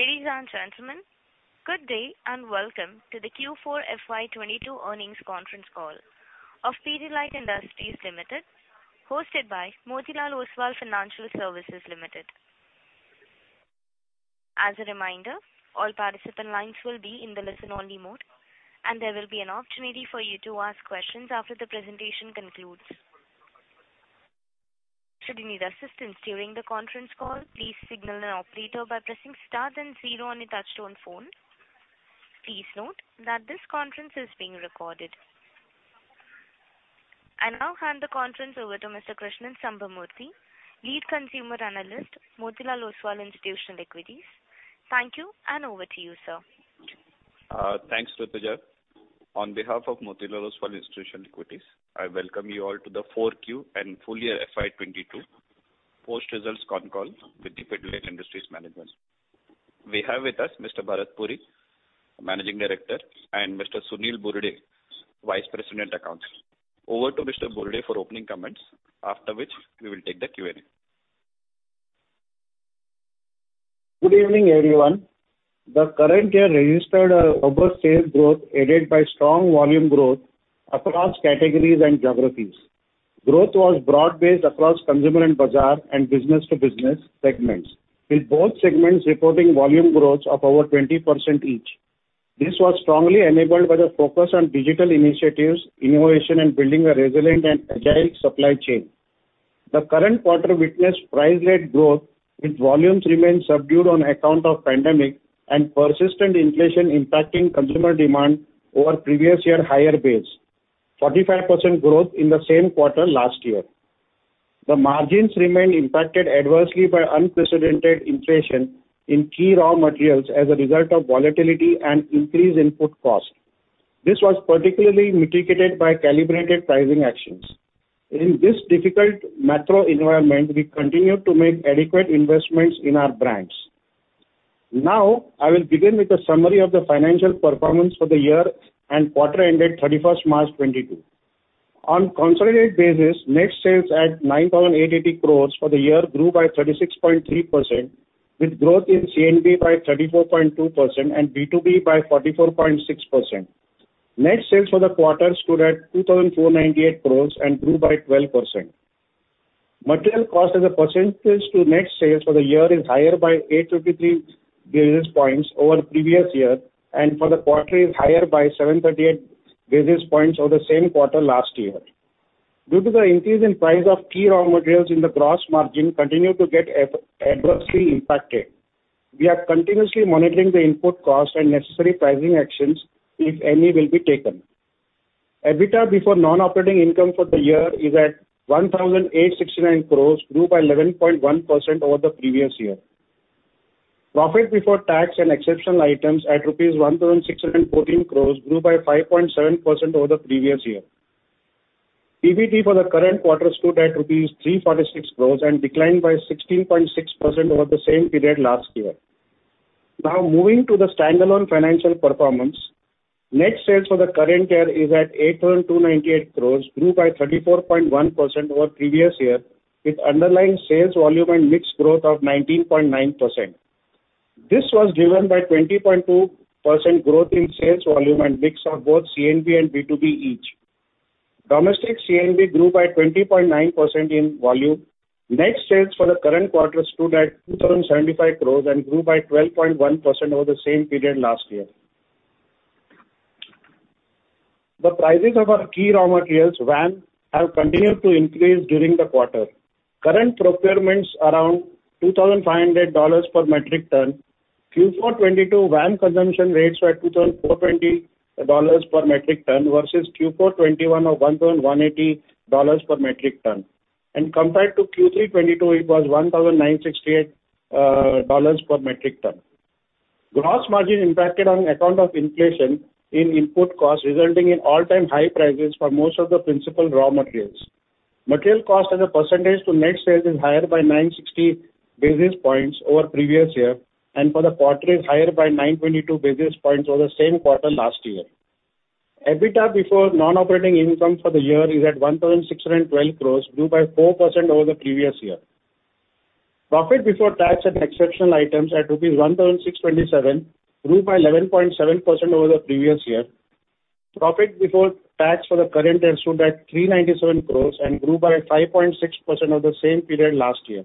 Ladies and gentlemen, good day, and welcome to the Q4 FY 2022 earnings conference call of Pidilite Industries Limited, hosted by Motilal Oswal Financial Services Limited. As a reminder, all participant lines will be in the listen-only mode, and there will be an opportunity for you to ask questions after the presentation concludes. Should you need assistance during the conference call, please signal an operator by pressing star then zero on your touchtone phone. Please note that this conference is being recorded. I now hand the conference over to Mr. Krishnan Sambamoorthy, Lead Consumer Analyst, Motilal Oswal Institutional Equities. Thank you, and over to you, sir. Thanks, Rituja. On behalf of Motilal Oswal Institutional Equities, I welcome you all to the 4Q and full year FY 2022 post-results conference call with the Pidilite Industries management. We have with us Mr. Bharat Puri, Managing Director, and Mr. Sunil Burde, Vice President, Accounts. Over to Mr. Burde for opening comments, after which we will take the Q&A. Good evening, everyone. The current year registered a robust sales growth aided by strong volume growth across categories and geographies. Growth was broad-based across Consumer & Bazaar and business-to-business segments, with both segments reporting volume growth of over 20% each. This was strongly enabled by the focus on digital initiatives, innovation, and building a resilient and agile supply chain. The current quarter witnessed price-led growth, with volumes remaining subdued on account of pandemic and persistent inflation impacting consumer demand over previous year higher base, 45% growth in the same quarter last year. The margins remained impacted adversely by unprecedented inflation in key raw materials as a result of volatility and increased input costs. This was particularly mitigated by calibrated pricing actions. In this difficult macro environment, we continued to make adequate investments in our brands. Now, I will begin with a summary of the financial performance for the year and quarter ended March 31st, 2022. On consolidated basis, net sales at 9,880 crores for the year grew by 36.3%, with growth in C&B by 34.2% and B2B by 44.6%. Net sales for the quarter stood at 2,498 crores and grew by 12%. Material cost as a percentage to net sales for the year is higher by 853 basis points over the previous year, and for the quarter is higher by 738 basis points over the same quarter last year. Due to the increase in price of key raw materials and the gross margin continued to get adversely impacted, we are continuously monitoring the input cost and necessary pricing actions, if any, will be taken. EBITDA before non-operating income for the year is at 1,869 crores, grew by 11.1% over the previous year. Profit before tax and exceptional items at rupees 1,614 crores grew by 5.7% over the previous year. PBT for the current quarter stood at 346 crores and declined by 16.6% over the same period last year. Now, moving to the standalone financial performance. Net sales for the current year is at 8,298 crores, grew by 34.1% over previous year, with underlying sales volume and mix growth of 19.9%. This was driven by 20.2% growth in sales volume and mix of both C&B and B2B each. Domestic C&B grew by 20.9% in volume. Net sales for the current quarter stood at 2,075 crore and grew by 12.1% over the same period last year. The prices of our key raw materials, VAM, have continued to increase during the quarter. Current procurements around $2,500 per metric ton. Q4 2022 VAM consumption rates were at $2,420 per metric ton versus Q4 2021 of $1,180 per metric ton. Compared to Q3 2022, it was $1,968 per metric ton. Gross margin impacted on account of inflation in input costs, resulting in all-time high prices for most of the principal raw materials. Material cost as a percentage to net sales is higher by 960 basis points over previous year, and for the quarter is higher by 922 basis points over the same quarter last year. EBITDA before non-operating income for the year is at 1,612 crores. It grew by 4% over the previous year. Profit before tax and exceptional items at INR 1,627. It grew by 11.7% over the previous year. Profit before tax for the current quarter stood at 397 crores and grew by 5.6% over the same period last year.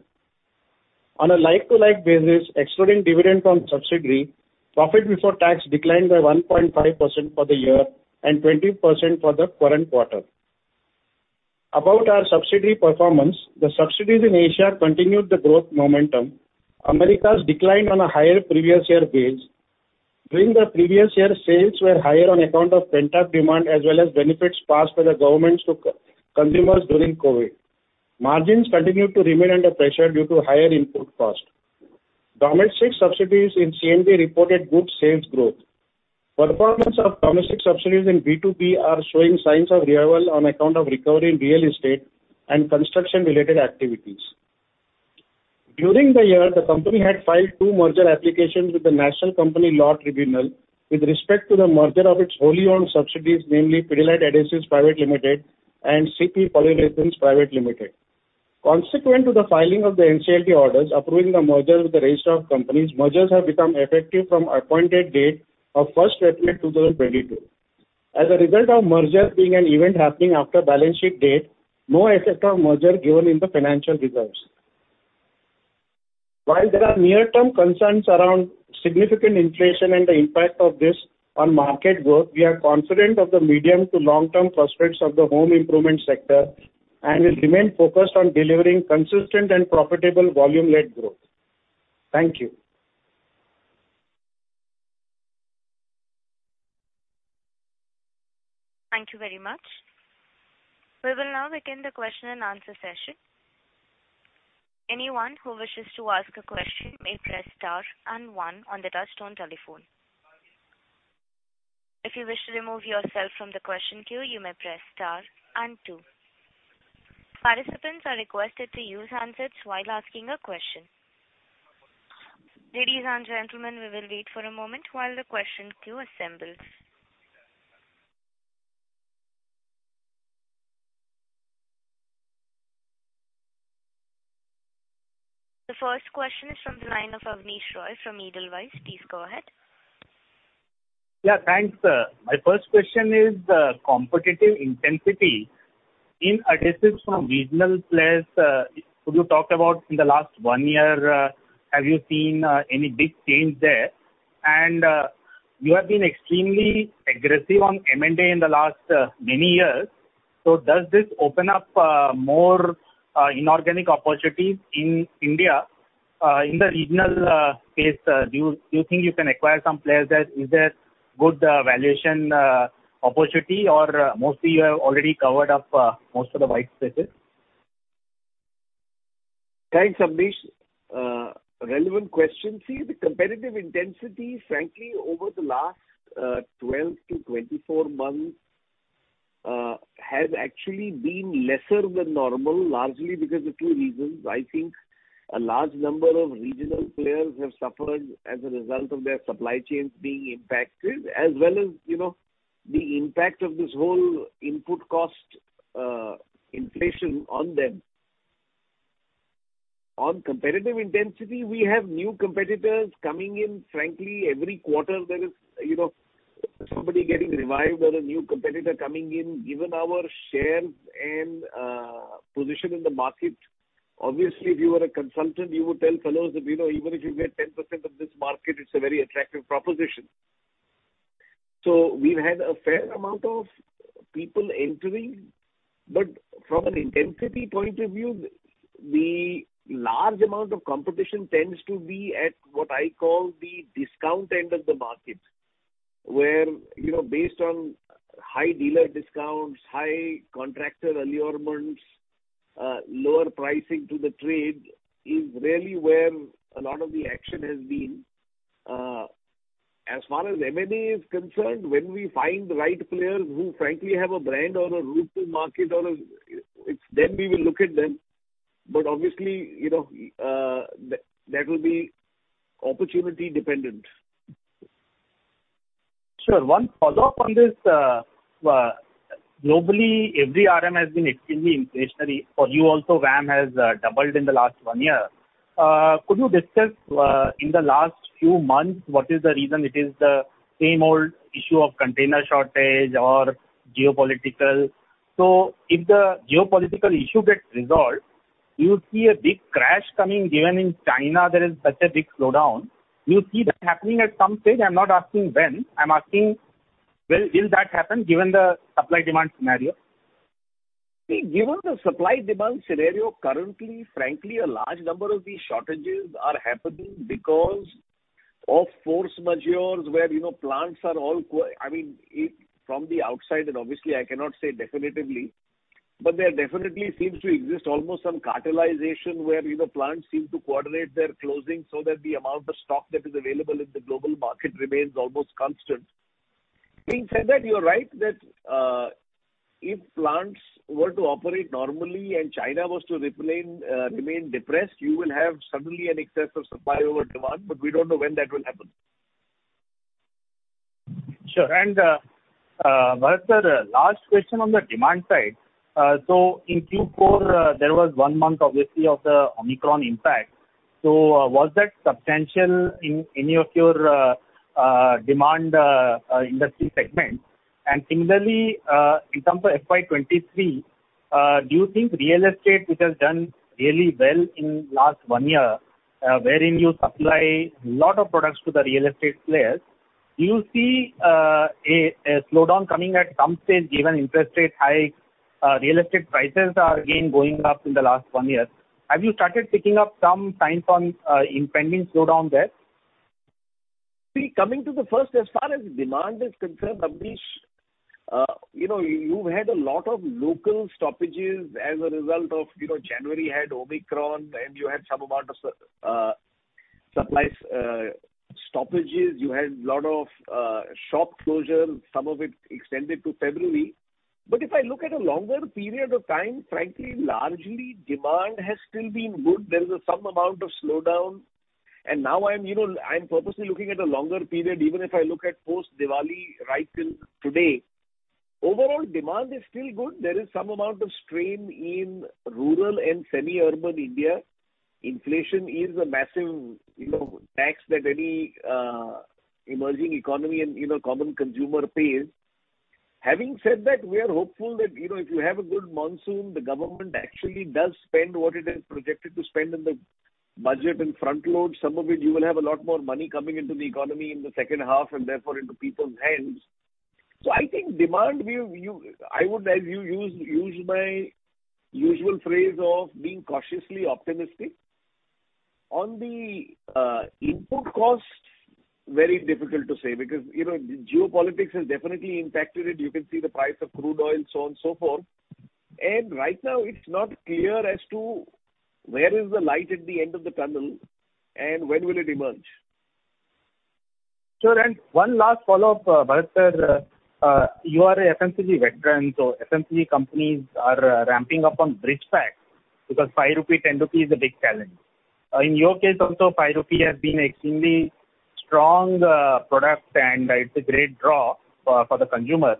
On a like-to-like basis, excluding dividend on subsidiary, profit before tax declined by 1.5% for the year and 20% for the current quarter. About our subsidiary performance, the subsidiaries in Asia continued the growth momentum. Americas declined on a higher previous year base. During the previous year, sales were higher on account of pent-up demand as well as benefits passed by the governments to consumers during COVID. Margins continued to remain under pressure due to higher input costs. Domestic subsidiaries in C&B reported good sales growth. Performance of domestic subsidiaries in B2B are showing signs of revival on account of recovery in real estate and construction-related activities. During the year, the company had filed two merger applications with the National Company Law Tribunal with respect to the merger of its wholly owned subsidiaries, namely Pidilite Adhesives Private Limited Cipy Polyurethanes Private Limited. Consequent to the filing of the NCLT orders approving the merger with the registered companies, mergers have become effective from appointed date of first February 2022. As a result of merger being an event happening after balance sheet date, no effect of merger given in the financial results. While there are near-term concerns around significant inflation and the impact of this on market growth, we are confident of the medium to long-term prospects of the home improvement sector and will remain focused on delivering consistent and profitable volume-led growth. Thank you. Thank you very much. We will now begin the question-and-answer session. Anyone who wishes to ask a question may press star and one on the touchtone telephone. If you wish to remove yourself from the question queue, you may press star and two. Participants are requested to use handsets while asking a question. Ladies and gentlemen, we will wait for a moment while the question queue assembles. The first question is from the line of Abneesh Roy from Edelweiss. Please go ahead. Yeah, thanks, sir. My first question is competitive intensity in adhesives from regional players. Could you talk about in the last one year, have you seen any big change there? You have been extremely aggressive on M&A in the last many years. Does this open up more inorganic opportunities in India, in the regional space? Do you think you can acquire some players there? Is there good valuation opportunity? Or mostly you have already covered up most of the white spaces? Thanks, Abneesh. Relevant question. See, the competitive intensity, frankly, over the last 12-24 months, has actually been lesser than normal, largely because of two reasons. I think a large number of regional players have suffered as a result of their supply chains being impacted, as well as, you know, the impact of this whole input cost inflation on them. On competitive intensity, we have new competitors coming in. Frankly, every quarter there is, you know, somebody getting revived or a new competitor coming in, given our share and position in the market. Obviously, if you were a consultant, you would tell fellows that, you know, even if you get 10% of this market, it's a very attractive proposition. So, we've had a fair amount of people entering. From an intensity point of view, the large amount of competition tends to be at what I call the discount end of the market. Where, you know, based on high dealer discounts, high contractor allurements, lower pricing to the trade is really where a lot of the action has been. As far as M&A is concerned, when we find the right players who frankly have a brand or a route to market, it’s then we will look at them. Obviously, you know, that will be opportunity dependent. Sure. One follow-up on this. Globally, every RM has been extremely inflationary. For you also RM has doubled in the last one year. Could you discuss, in the last few months, what is the reason? It is the same old issue of container shortage or geopolitical. If the geopolitical issue gets resolved, do you see a big crash coming, given in China there is such a big slowdown? Do you see that happening at some stage? I'm not asking when. I'm asking will that happen given the supply demand scenario? See, given the supply demand scenario currently, frankly, a large number of these shortages are happening because of force majeure where, you know, I mean, from the outside, and obviously I cannot say definitively, but there definitely seems to exist almost some cartelization where, you know, plants seem to coordinate their closing so that the amount of stock that is available in the global market remains almost constant. That being said, you are right that if plants were to operate normally and China was to remain depressed, you will have suddenly an excess of supply over demand, but we don't know when that will happen. Sure. Bharat, sir, last question on the demand side. In Q4, there was one month obviously of the Omicron impact. Was that substantial in any of your demand industry segments? Similarly, in terms of FY 2023, do you think real estate, which has done really well in last one year, wherein you supply lot of products to the real estate players, do you see a slowdown coming at some stage given interest rate hike? Real estate prices are again going up in the last one year. Have you started picking up some signs on impending slowdown there? See, coming to the first, as far as demand is concerned, Abneesh, you know, you've had a lot of local stoppages as a result of, you know, January had Omicron, then you had some amount of supplies stoppages. You had lot of shop closures. Some of it extended to February. If I look at a longer period of time, frankly, largely demand has still been good. There is some amount of slowdown. Now I'm purposely looking at a longer period. Even if I look at post-Diwali right till today, overall demand is still good. There is some amount of strain in rural and semi-urban India. Inflation is a massive tax that any emerging economy and common consumer pays. Having said that, we are hopeful that, you know, if you have a good monsoon, the government actually does spend what it has projected to spend in the budget and front load some of it. You will have a lot more money coming into the economy in the second half and therefore into people's hands. I think demand. I would use my usual phrase of being cautiously optimistic. On the input costs, very difficult to say because, you know, geopolitics has definitely impacted it. You can see the price of crude oil, so on and so forth. Right now it's not clear as to where is the light at the end of the tunnel and when will it emerge. Sure. One last follow-up, Bharat sir. You are a FMCG veteran, so FMCG companies are ramping up on bridge packs because 5 rupee, 10 rupee is a big challenge. In your case, also, 5 rupee has been extremely strong product, and it's a great draw for the consumer.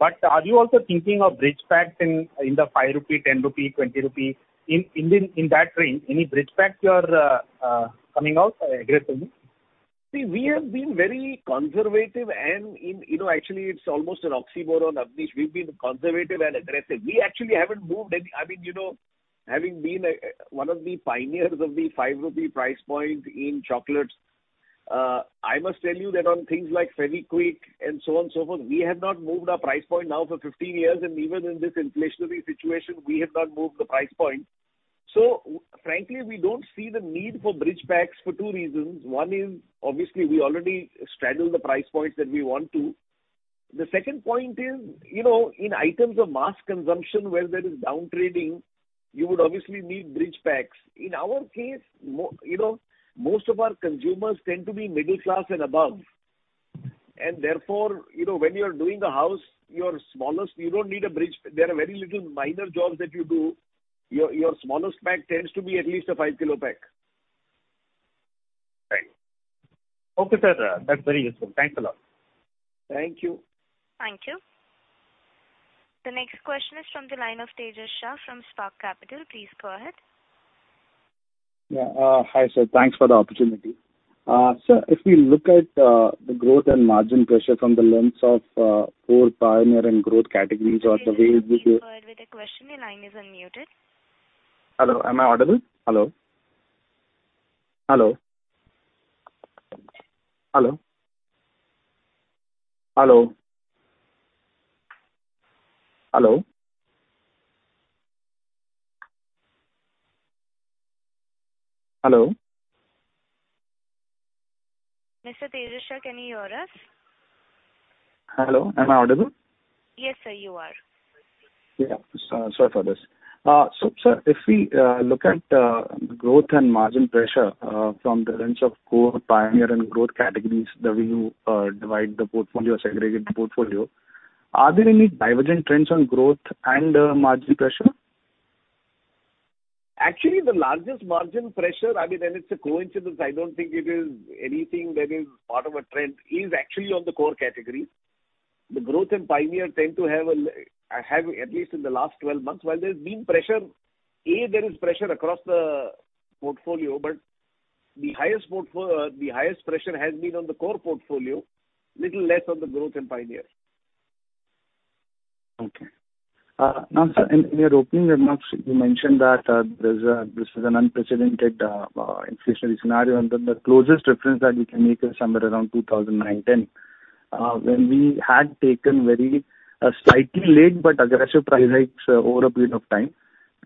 But are you also thinking of bridge packs in the 5 rupee, 10 rupee, 20 rupee range? Any bridge packs you're coming out aggressively? See, we have been very conservative and in, you know, actually it's almost an oxymoron, Abneesh. We've been conservative and aggressive. We actually haven't moved any I mean, you know, having been a, one of the pioneers of the 5 rupee price point in chocolates, I must tell you that on things like Fevikwik and so on and so forth, we have not moved our price point now for 15 years, and even in this inflationary situation, we have not moved the price point. Frankly, we don't see the need for bridge packs for two reasons. One is, obviously we already straddle the price points that we want to. The second point is, you know, in items of mass consumption where there is down trading, you would obviously need bridge packs. In our case, you know, most of our consumers tend to be middle class and above. Therefore, you know, when you are doing a house, your smallest, you don't need a bridge. There are very little minor jobs that you do. Your smallest pack tends to be at least a 5 kilo pack. Right. Okay, sir. That's very useful. Thanks a lot. Thank you. Thank you. The next question is from the line of Tejas Shah from Spark Capital. Please go ahead. Yeah. Hi, sir. Thanks for the opportunity. Sir, if we look at the growth and margin pressure from the lens of core, pioneer, and growth categories or the way. Tejas Shah, please go ahead with the question. Your line is unmuted. Hello, am I audible? Hello? Mr. Tejas Shah, can you hear us? Hello, am I audible? Yes, sir, you are. Sorry for this. Sir, if we look at growth and margin pressure from the lens of core, pioneer, and growth categories the way you divide the portfolio, segregate the portfolio, are there any divergent trends on growth and margin pressure? Actually, the largest margin pressure, I mean, and it's a coincidence, I don't think it is anything that is part of a trend, is actually on the core category. The growth and pioneer tend to have at least in the last 12 months while there's been pressure. There is pressure across the portfolio, but the highest pressure has been on the core portfolio, little less on the growth and pioneer. Okay. Now sir, in your opening remarks, you mentioned that this is an unprecedented inflationary scenario, and the closest reference that we can make is somewhere around 2009-2010, when we had taken very slightly late but aggressive price hikes over a period of time.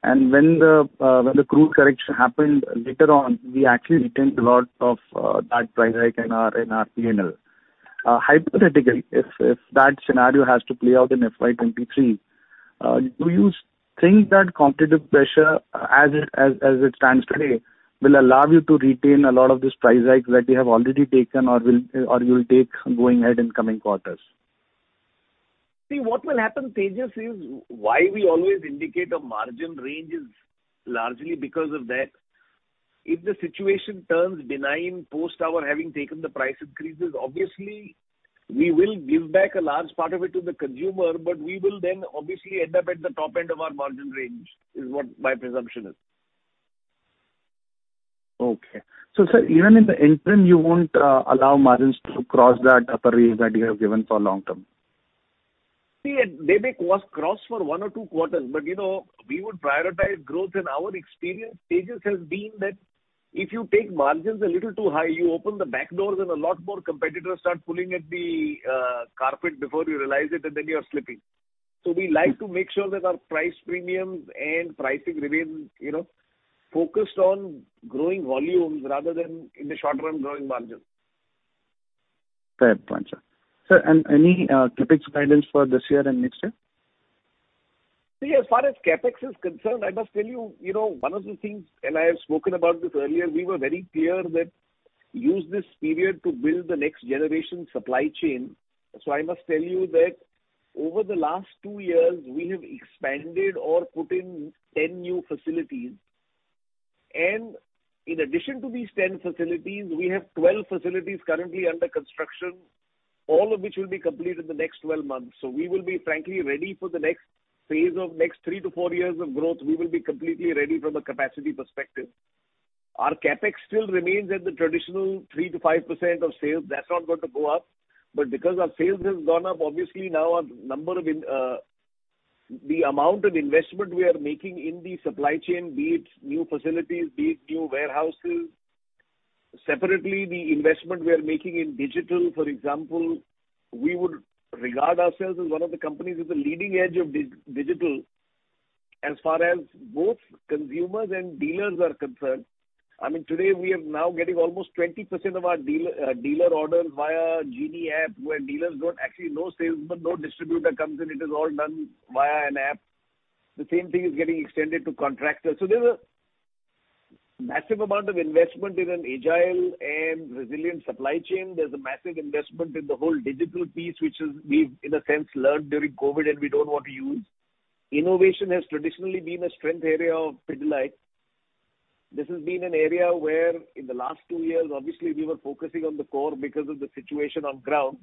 When the crude correction happened later on, we actually retained a lot of that price hike in our P&L. Hypothetically, if that scenario has to play out in FY 2023, do you think that competitive pressure as it stands today will allow you to retain a lot of this price hike that you have already taken or you'll take going ahead in coming quarters? See, what will happen, Tejas, is why we always indicate a margin range is largely because of that. If the situation turns benign post our having taken the price increases, obviously we will give back a large part of it to the consumer, but we will then obviously end up at the top end of our margin range, is what my presumption is. Sir, even in the interim, you won't allow margins to cross that upper range that you have given for long term? See, they may cross for one or two quarters, but you know, we would prioritize growth. Our experience, Tejas, has been that if you take margins a little too high, you open the back doors and a lot more competitors start pulling at the carpet before you realize it, and then you're slipping. We like to make sure that our price premiums and pricing remain, you know, focused on growing volumes rather than in the short run growing margins. Fair point, sir. Sir, any CapEx guidance for this year and next year? See, as far as CapEx is concerned, I must tell you know, one of the things, and I have spoken about this earlier, we were very clear that use this period to build the next generation supply chain. I must tell you that. Over the last two years, we have expanded or put in 10 new facilities. In addition to these 10 facilities, we have 12 facilities currently under construction, all of which will be complete in the next 12 months. We will be frankly ready for the next phase of next three-four years of growth. We will be completely ready from a capacity perspective. Our CapEx still remains at the traditional 3%-5% of sales. That's not going to go up. Because our sales has gone up, obviously now our number of the amount of investment we are making in the supply chain, be it new facilities, be it new warehouses. Separately, the investment we are making in digital, for example, we would regard ourselves as one of the companies at the leading edge of digital as far as both consumers and dealers are concerned. I mean, today we are now getting almost 20% of our dealer orders via Genie app, where dealers don't actually know salesmen, no distributor comes in. It is all done via an app. The same thing is getting extended to contractors. There's a massive amount of investment in an agile and resilient supply chain. There's a massive investment in the whole digital piece, which we've in a sense learned during COVID and we don't want to use. Innovation has traditionally been a strength area of Pidilite. This has been an area where in the last two years, obviously we were focusing on the core because of the situation on ground.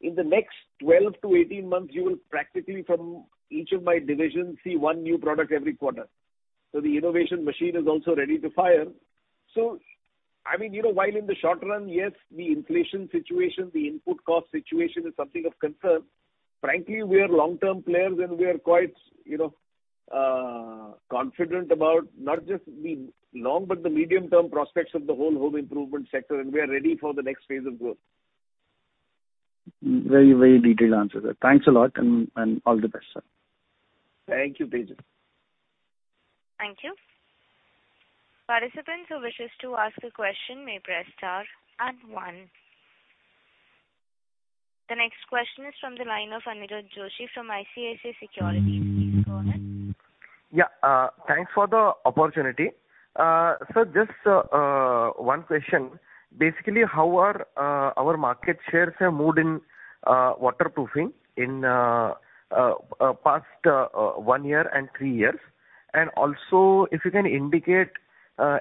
In the next 12-18 months, you will practically from each of my divisions see one new product every quarter. The innovation machine is also ready to fire. I mean, you know, while in the short run, yes, the inflation situation, the input cost situation is something of concern. Frankly, we are long-term players and we are quite, you know, confident about not just the long, but the medium-term prospects of the whole home improvement sector, and we are ready for the next phase of growth. Very, very detailed answer, sir. Thanks a lot and all the best, sir. Thank you, Tejas. Thank you. Participants who wishes to ask a question may press star and one. The next question is from the line of Aniruddha Joshi from ICICI Securities. Please go ahead. Yeah, thanks for the opportunity. So just one question. Basically, how have our market shares moved in waterproofing in past one year and three years? Also if you can indicate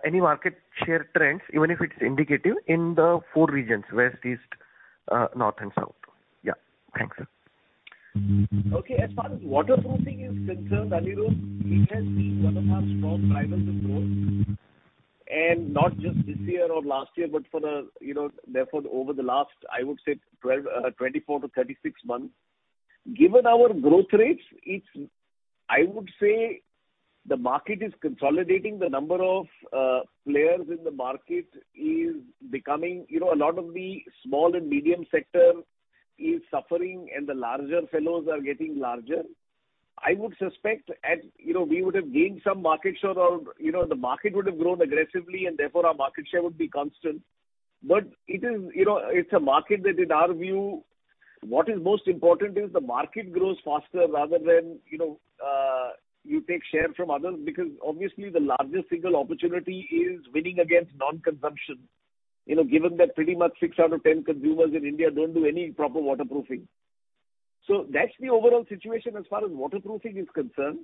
any market share trends, even if it's indicative in the four regions, west, east, north and south. Yeah. Thanks. Okay. As far as waterproofing is concerned, Aniruddha, it has been one of our strong drivers of growth, and not just this year or last year, but for the, you know, therefore over the last, I would say 12, 24-36 months. Given our growth rates, it's I would say the market is consolidating. The number of players in the market is becoming, you know, a lot of the small and medium sector is suffering and the larger fellows are getting larger. I would suspect at, you know, we would have gained some market share or, you know, the market would have grown aggressively and therefore our market share would be constant. It is, you know, it's a market that in our view, what is most important is the market grows faster rather than, you know, you take share from others, because obviously the largest single opportunity is winning against non-consumption. You know, given that pretty much six out of ten consumers in India don't do any proper waterproofing. That's the overall situation as far as waterproofing is concerned.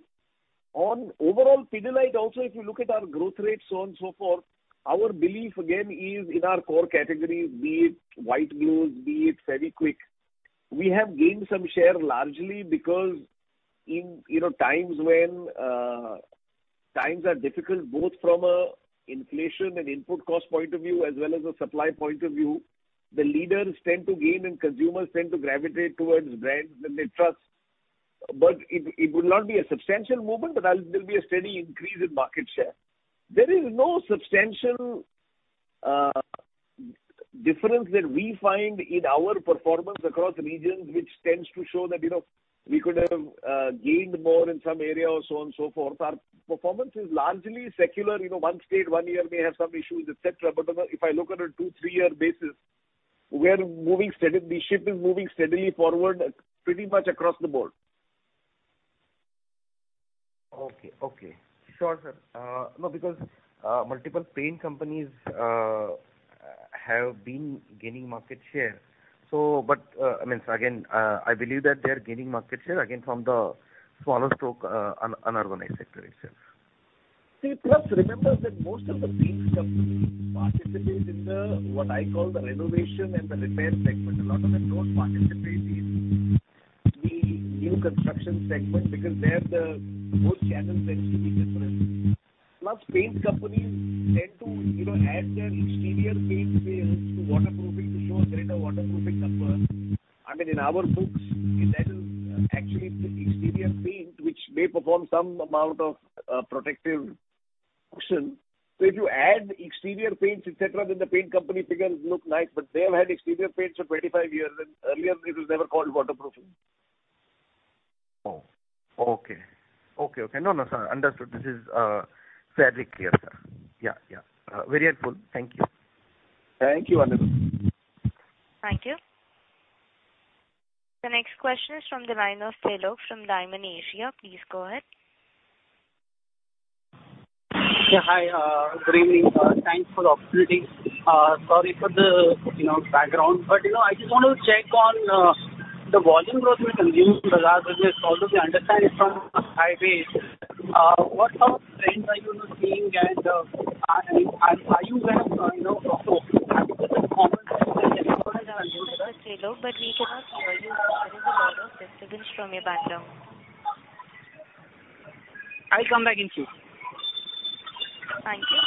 On overall Pidilite also, if you look at our growth rates, so on and so forth, our belief again is in our core categories, be it White Glues, be it Fevikwik. We have gained some share largely because in, you know, times when, times are difficult, both from a inflation and input cost point of view as well as a supply point of view, the leaders tend to gain and consumers tend to gravitate towards brands that they trust. It would not be a substantial movement, but there'll be a steady increase in market share. There is no substantial difference that we find in our performance across regions, which tends to show that, you know, we could have gained more in some area or so on and so forth. Our performance is largely secular. You know, one state, one year may have some issues, et cetera. If I look at a two-three-year basis, we are moving steady. The ship is moving steadily forward pretty much across the board. Sure, sir. No, because multiple paint companies have been gaining market share. I mean, again, I believe that they are gaining market share again from the small-scale unorganized sector itself. See, plus remember that most of the paint companies participate in the, what I call the renovation and the repair segment. A lot of them don't participate in the new construction segment because there the whole channel tends to be different. Plus paint companies tend to, you know, add their exterior paint sales to waterproofing to show a greater waterproofing number. I mean, in our books that is actually exterior paint which may perform some amount of protective function. If you add exterior paints, et cetera, then the paint company figures look nice. They have had exterior paints for 25 years, and earlier it was never called waterproofing. Oh, okay. No, sir. Understood. This is fairly clear, sir. Yeah. Very helpful. Thank you. Thank you, Aniruddha. Thank you. The next question is from the line of Thilok from Dymon Asia. Please go ahead. Yeah, hi, good evening. Thanks for the opportunity. Sorry for the, you know, background. You know, I just want to check on the volume growth with consumer business. Although we understand it's from a high base, what sort of trends are you now seeing? Are you perhaps, you know, focusing perhaps on the common trends that you observed with consumer? Hello, but we cannot hear you. There is a lot of disturbance from your background. I'll come back in soon. Thank you.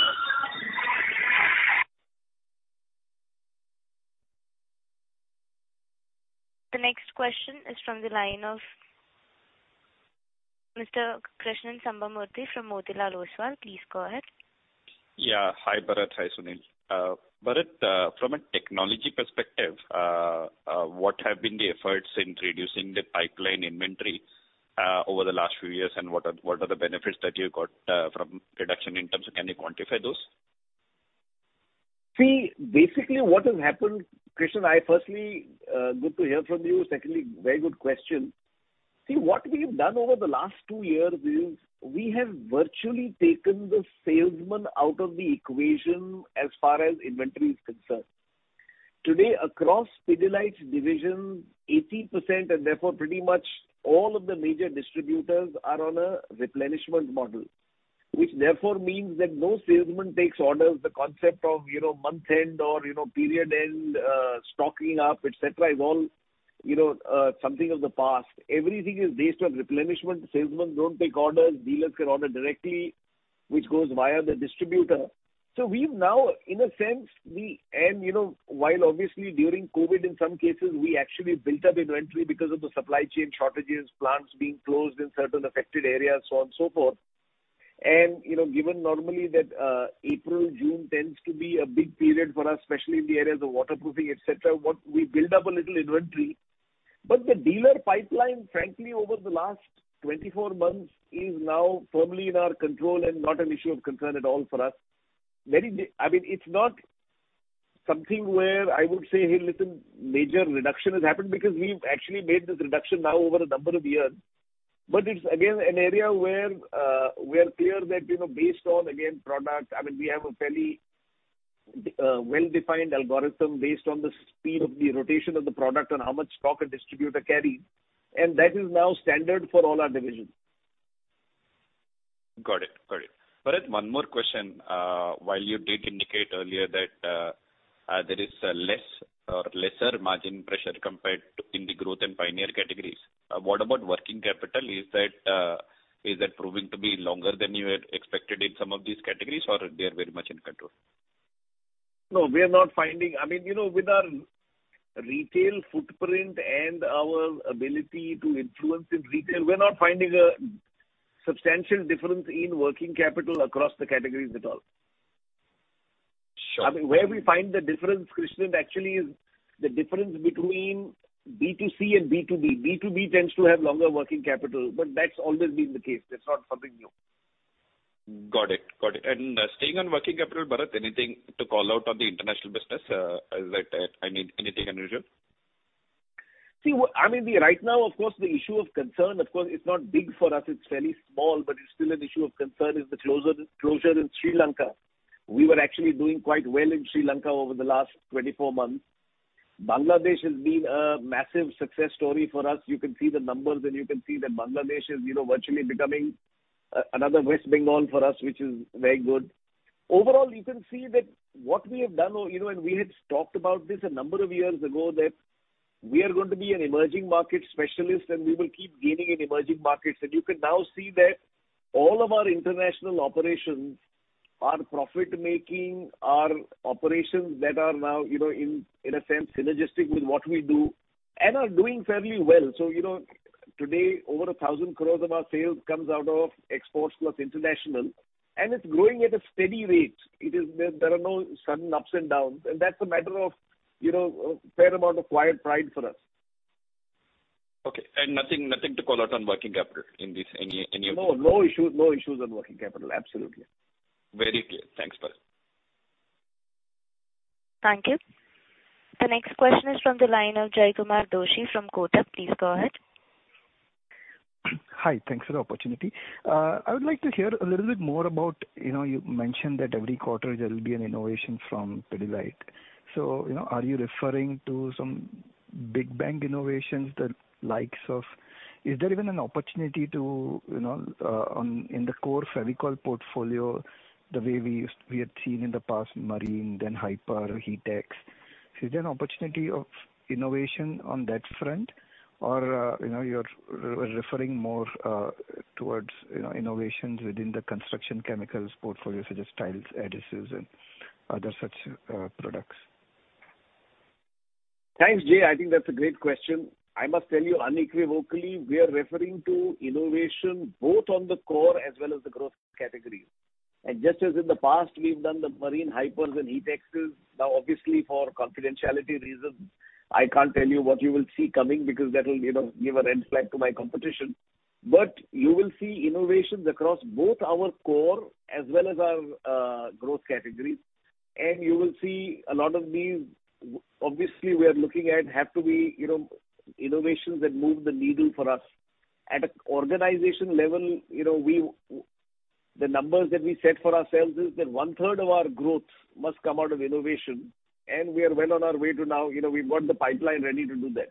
The next question is from the line of Mr. Krishnan Sambamoorthy from Motilal Oswal. Please go ahead. Yeah. Hi, Bharat. Hi, Sunil. Bharat, from a technology perspective, what have been the efforts in reducing the pipeline inventory over the last few years? What are the benefits that you got from reduction in terms of, can you quantify those? See, basically what has happened, Krishnan, I firstly, good to hear from you. Secondly, very good question. See, what we have done over the last two years is we have virtually taken the salesman out of the equation as far as inventory is concerned. Today, across Pidilite division, 80%, and therefore pretty much all of the major distributors are on a replenishment model, which therefore means that no salesman takes orders. The concept of, you know, month end or, you know, period end, stocking up, et cetera, is all, you know, something of the past. Everything is based on replenishment. Salesmen don't take orders. Dealers can order directly, which goes via the distributor. We've now, in a sense, You know, while obviously during COVID, in some cases, we actually built up inventory because of the supply chain shortages, plants being closed in certain affected areas, so on and so forth. You know, given normally that, April, June tends to be a big period for us, especially in the areas of waterproofing, et cetera, what we build up a little inventory. The dealer pipeline, frankly, over the last 24 months is now firmly in our control and not an issue of concern at all for us. Very big, I mean, it's not something where I would say, "Hey, listen, major reduction has happened," because we've actually made this reduction now over a number of years. It's again an area where we are clear that, you know, based on, again, product, I mean, we have a fairly well-defined algorithm based on the speed of the rotation of the product and how much stock a distributor carries, and that is now standard for all our divisions. Got it. Bharat, one more question. While you did indicate earlier that there is less or lesser margin pressure compared to in the growth and pioneer categories, what about working capital? Is that proving to be longer than you had expected in some of these categories, or they are very much in control? No, we are not finding, I mean, you know, with our retail footprint and our ability to influence in retail, we're not finding a substantial difference in working capital across the categories at all. Sure. I mean, where we find the difference, Krishnan, actually is the difference between B2C and B2B. B2B tends to have longer working capital, but that's always been the case. That's not something new. Got it. Staying on working capital, Bharat, anything to call out on the international business? Is that, I mean anything unusual? I mean, right now, of course, the issue of concern, of course, it's not big for us, it's fairly small, but it's still an issue of concern, is the closure in Sri Lanka. We were actually doing quite well in Sri Lanka over the last 24 months. Bangladesh has been a massive success story for us. You can see the numbers, and you can see that Bangladesh is, you know, virtually becoming another West Bengal for us, which is very good. Overall, you can see that what we have done, or, you know, and we had talked about this a number of years ago, that we are going to be an emerging market specialist, and we will keep gaining in emerging markets. You can now see that all of our international operations are profit-making, are operations that are now, you know, in a sense synergistic with what we do and are doing fairly well. You know, today, over 1,000 crores of our sales comes out of exports plus international, and it's growing at a steady rate. There are no sudden ups and downs, and that's a matter of, you know, a fair amount of quiet pride for us. Okay. Nothing to call out on working capital in this, any of- No. No issues on working capital, absolutely. Very clear. Thanks, Bharat. Thank you. The next question is from the line of Jaykumar Doshi from Kotak. Please go ahead. Hi. Thanks for the opportunity. I would like to hear a little bit more about, you know, you mentioned that every quarter there will be an innovation from Pidilite. You know, are you referring to some big bang innovations, the likes of? Is there even an opportunity to, you know, on, in the core Fevicol portfolio, the way we had seen in the past Marine, then HiPer, Heatx? Is there an opportunity of innovation on that front? You know, you're referring more towards, you know, innovations within the construction chemicals portfolio, such as tiles, adhesives, and other such products? Thanks, Jai. I think that's a great question. I must tell you unequivocally, we are referring to innovation both on the core as well as the growth categories. Just as in the past, we've done the Marine, HiPers and Heatx, now, obviously, for confidentiality reasons, I can't tell you what you will see coming because that will, you know, give a red flag to my competition. You will see innovations across both our core as well as our growth categories. You will see a lot of these, obviously we are looking that have to be, you know, innovations that move the needle for us. At an organization level, you know, the numbers that we set for ourselves is that one third of our growth must come out of innovation, and we are well on our way, now, you know, we've got the pipeline ready to do that.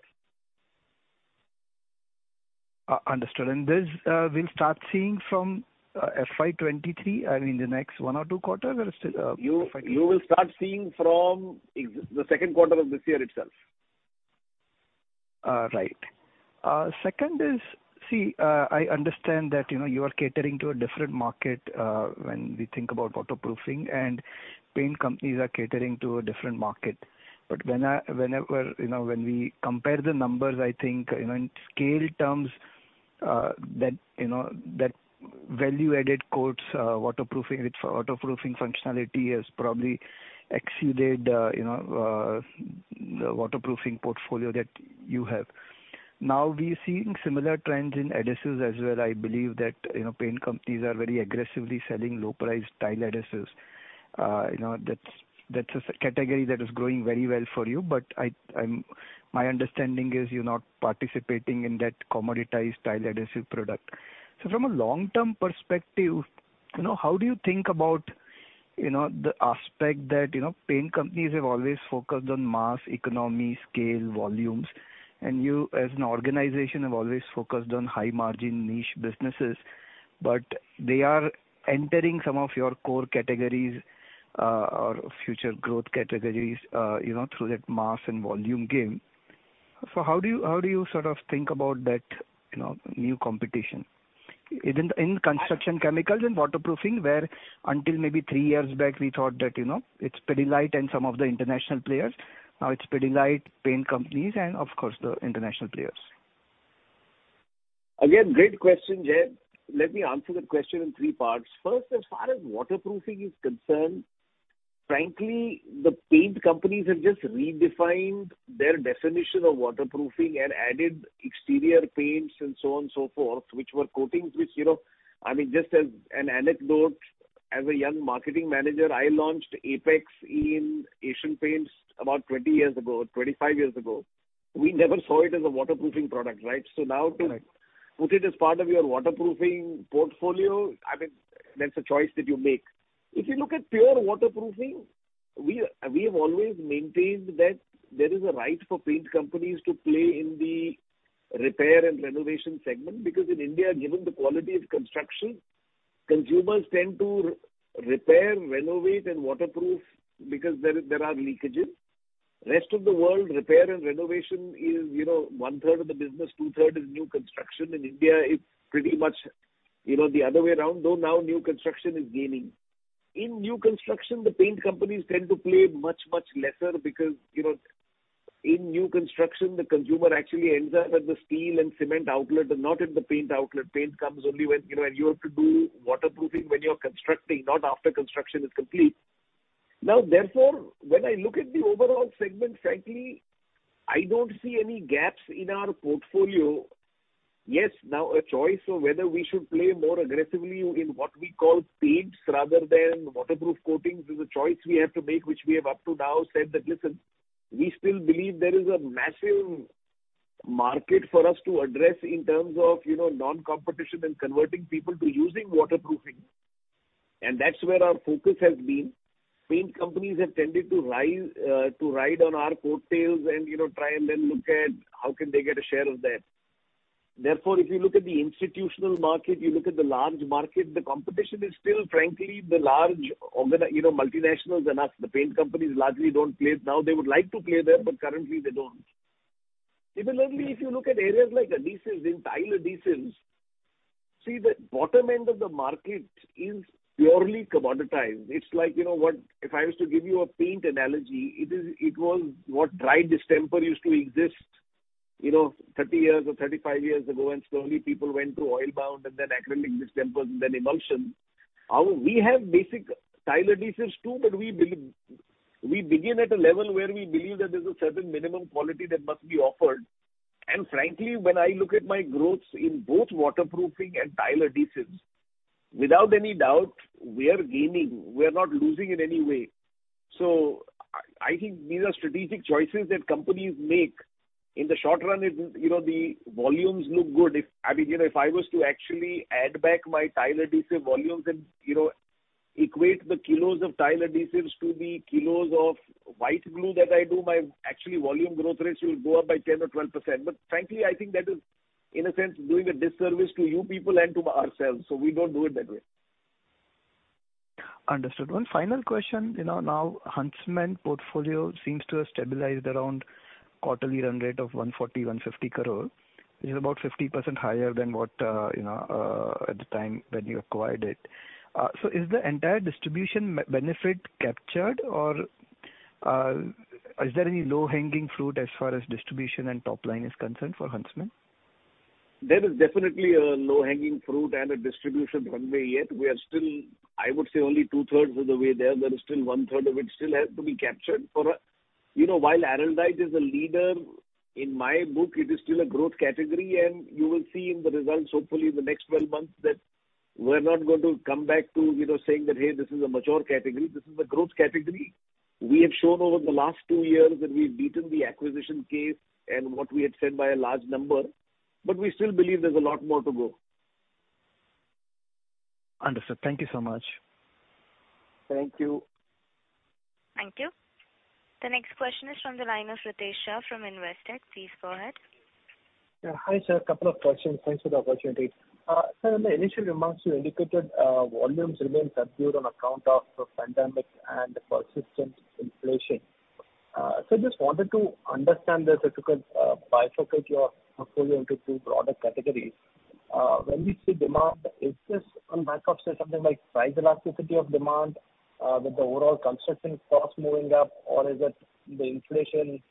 Understood. This, we'll start seeing from FY 2023, I mean, the next one or two quarters or still for FY. You will start seeing from the second quarter of this year itself. Second, I understand that, you know, you are catering to a different market when we think about waterproofing and paint companies are catering to a different market. When we compare the numbers, I think, you know, in scale terms, that value-added coatings, waterproofing with waterproofing functionality has probably exceeded the waterproofing portfolio that you have. Now, we are seeing similar trends in adhesives as well. I believe that, you know, paint companies are very aggressively selling low-priced tile adhesives. You know, that's a category that is growing very well for you. But my understanding is you're not participating in that commoditized tile adhesive product. From a long-term perspective, you know, how do you think about, you know, the aspect that, you know, paint companies have always focused on mass, economy, scale, volumes, and you as an organization have always focused on high margin niche businesses, but they are entering some of your core categories, or future growth categories, you know, through that mass and volume game. How do you sort of think about that, you know, new competition in construction chemicals and waterproofing, where until maybe three years back, we thought that, you know, it's Pidilite and some of the international players. Now it's Pidilite, paint companies and of course the international players. Again, great question, Jay. Let me answer the question in three parts. First, as far as waterproofing is concerned, frankly, the paint companies have just redefined their definition of waterproofing and added exterior paints and so on and so forth, which were coatings, which, you know, I mean, just as an anecdote, as a young marketing manager, I launched Apex in Asian Paints about 20 years ago, 25 years ago. We never saw it as a waterproofing product, right? Correct. Now to put it as part of your waterproofing portfolio, I mean, that's a choice that you make. If you look at pure waterproofing, we have always maintained that there is a right for paint companies to play in the repair and renovation segment, because in India, given the quality of construction, consumers tend to repair, renovate, and waterproof because there are leakages. Rest of the world, repair and renovation is, you know, 1/3 of the business, 2/3 is new construction. In India, it's pretty much, you know, the other way around, though now new construction is gaining. In new construction, the paint companies tend to play much lesser because, you know, in new construction, the consumer actually ends up at the steel and cement outlet and not at the paint outlet. Paint comes only when, you know, when you have to do waterproofing when you're constructing, not after construction is complete. Now, therefore, when I look at the overall segment, frankly, I don't see any gaps in our portfolio. Yes, now a choice of whether we should play more aggressively in what we call paints rather than waterproof coatings is a choice we have to make, which we have up to now said that, listen, we still believe there is a massive market for us to address in terms of, you know, non-competition and converting people to using waterproofing, and that's where our focus has been. Paint companies have tended to rise to ride on our coattails and, you know, try and then look at how can they get a share of that. Therefore, if you look at the institutional market, you look at the large market, the competition is still frankly the large multinationals and us. The paint companies largely don't play. Now, they would like to play there, but currently they don't. Similarly, if you look at areas like adhesives, in tile adhesives, see, the bottom end of the market is purely commoditized. It's like, you know what, if I was to give you a paint analogy, it was what dry distemper used to exist, you know, 30 years or 35 years ago, and slowly people went to oil bound and then acrylic distemper and then emulsion. We have basic tile adhesives too, but we begin at a level where we believe that there's a certain minimum quality that must be offered. Frankly, when I look at my growth in both waterproofing and tile adhesives, without any doubt, we are gaining. We are not losing in any way. I think these are strategic choices that companies make. In the short run, you know, the volumes look good. I mean, you know, if I was to actually add back my tile adhesive volumes and, you know, equate the kilos of tile adhesives to the kilos of white glue that I do, my actual volume growth rate should go up by 10 or 12%. Frankly, I think that is, in a sense, doing a disservice to you people and to ourselves, so we don't do it that way. Understood. One final question. You know, now Huntsman portfolio seems to have stabilized around quarterly run rate of 140-150 crore, which is about 50% higher than what, you know, at the time when you acquired it. Is the entire distribution synergy benefit captured or, is there any low-hanging fruit as far as distribution and top line is concerned for Huntsman? There is definitely a low-hanging fruit and a distribution runway yet. We are still, I would say only two-thirds of the way there. There is still one-third of it still has to be captured. For a, you know, while Araldite is a leader, in my book, it is still a growth category and you will see in the results, hopefully in the next 12 months, that we're not going to come back to, you know, saying that, "Hey, this is a mature category." This is a growth category. We have shown over the last two years that we've beaten the acquisition case and what we had said by a large number, but we still believe there's a lot more to go. Understood. Thank you so much. Thank you. Thank you. The next question is from the line of Ritesh Shah from Investec. Please go ahead. Yeah. Hi, sir. A couple of questions. Thanks for the opportunity. Sir, in the initial remarks you indicated volumes remain subdued on account of the pandemic and persistent inflation. Just wanted to understand this. If you can, bifurcate your portfolio into two broader categories. When we see demand, is this on back of, say, something like price elasticity of demand with the overall construction costs moving up? Or is it the inflation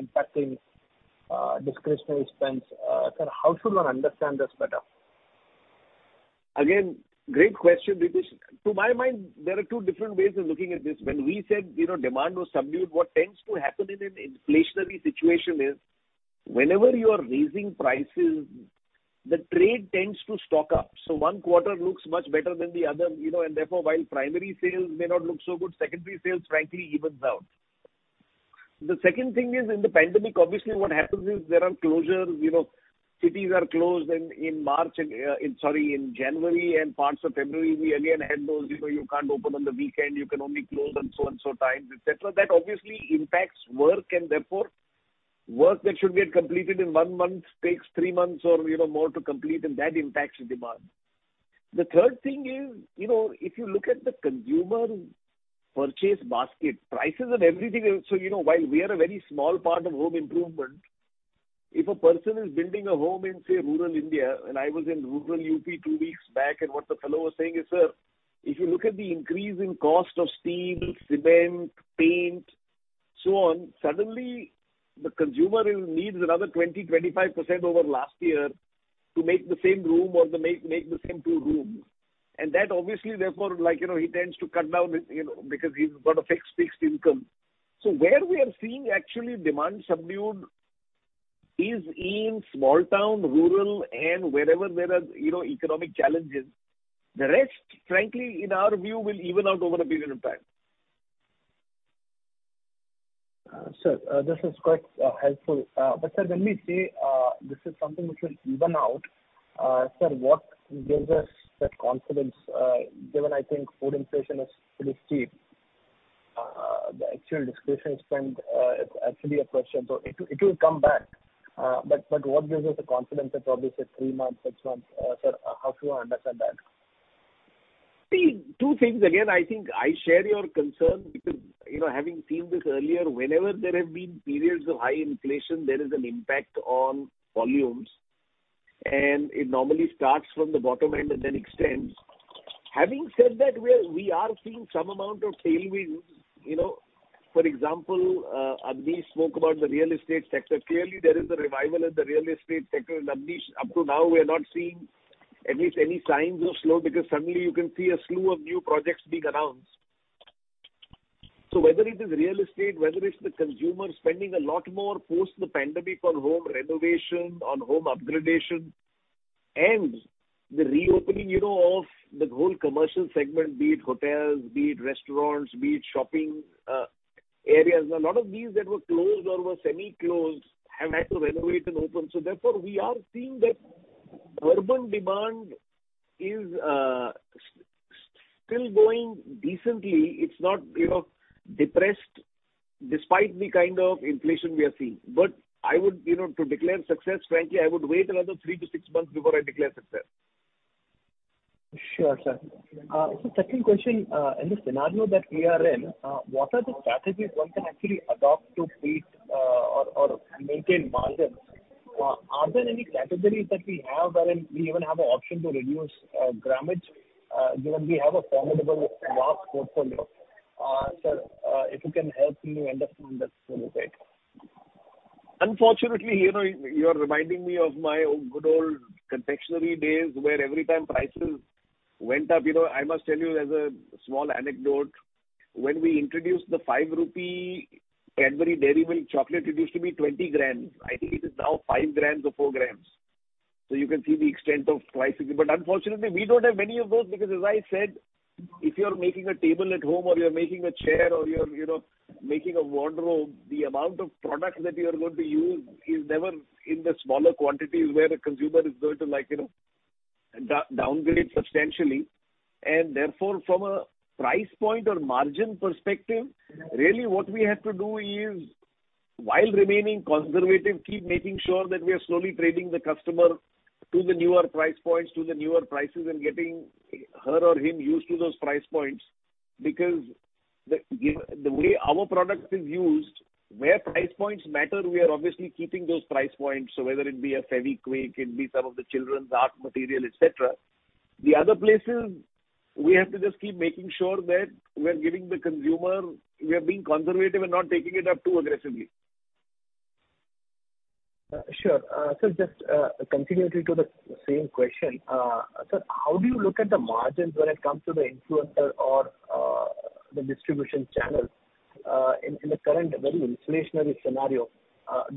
impacting discretionary spends? Sir, how should one understand this better? Again, great question because to my mind, there are two different ways of looking at this. When we said, you know, demand was subdued, what tends to happen in an inflationary situation is whenever you are raising prices, the trade tends to stock up. One quarter looks much better than the other, you know. Therefore, while primary sales may not look so good, secondary sales frankly evens out. The second thing is in the pandemic, obviously what happens is there are closures. You know, cities are closed in March and in January and parts of February, we again had those, you know, you can't open on the weekend, you can only close on so and so times, et cetera. That obviously impacts work and therefore work that should get completed in one month takes three months or, you know, more to complete, and that impacts the demand. The third thing is, you know, if you look at the consumer purchase basket, prices of everything. You know, while we are a very small part of home improvement, if a person is building a home in, say, rural India, and I was in rural UP two weeks back, and what the fellow was saying is, "Sir, if you look at the increase in cost of steel, cement, paint, so on," suddenly the consumer needs another 20-25% over last year to make the same room or to make the same two rooms. That obviously therefore like, you know, he tends to cut down, you know, because he's got a fixed income. where we are seeing actually demand subdued is in small town, rural, and wherever there are, you know, economic challenges. The rest, frankly, in our view, will even out over a period of time. Sir, this is quite helpful. Sir, when we say this is something which will even out, sir, what gives us that confidence, given I think food inflation is pretty steep. The actual discretionary spend is actually a question. It will come back. What gives us the confidence that probably say three months, six months? Sir, how should one understand that? See, two things. Again, I think I share your concern because, you know, having seen this earlier, whenever there have been periods of high inflation, there is an impact on volumes, and it normally starts from the bottom end and then extends. Having said that, we are seeing some amount of tailwinds. You know, for example, Abneesh spoke about the real estate sector. Clearly there is a revival in the real estate sector, and Abneesh, up to now we're not seeing at least any signs of slow because suddenly you can see a slew of new projects being announced. Whether it is real estate, whether it's the consumer spending a lot more post the pandemic on home renovation, on home upgradation and the reopening, you know, of the whole commercial segment, be it hotels, be it restaurants, be it shopping areas. Now a lot of these that were closed or were semi-closed have had to renovate and open. We are seeing that urban demand is still going decently. It's not, you know, depressed despite the kind of inflation we are seeing. I would, you know, to declare success, frankly, I would wait another three-six months before I declare success. Sure, sir. Second question. In the scenario that we are in, what are the strategies one can actually adopt to beat or maintain margins? Are there any categories that we have wherein we even have an option to reduce grammage, given we have a formidable vast portfolio? Sir, if you can help me understand this a little bit. Unfortunately, you know, you are reminding me of my good old confectionery days where every time prices went up, you know. I must tell you as a small anecdote, when we introduced the 5 rupee Cadbury Dairy Milk chocolate, it used to be 20 g. I think it is now 5 g or 4 g. You can see the extent of pricing. Unfortunately we don't have many of those because as I said, if you're making a table at home or you're making a chair or you're, you know, making a wardrobe, the amount of product that you are going to use is never in the smaller quantities where the consumer is going to like, you know, downgrade substantially. From a price point or margin perspective, really what we have to do is, while remaining conservative, keep making sure that we are slowly training the customer to the newer price points, to the newer prices, and getting her or him used to those price points. Because the way our product is used, where price points matter, we are obviously keeping those price points. Whether it be a Fevikwik, it be some of the children's art material, et cetera. The other places we have to just keep making sure that we're giving the consumer. We are being conservative and not taking it up too aggressively. Sure. Sir, just continuing to the same question. Sir, how do you look at the margins when it comes to the industrial or the distribution channel in the current very inflationary scenario?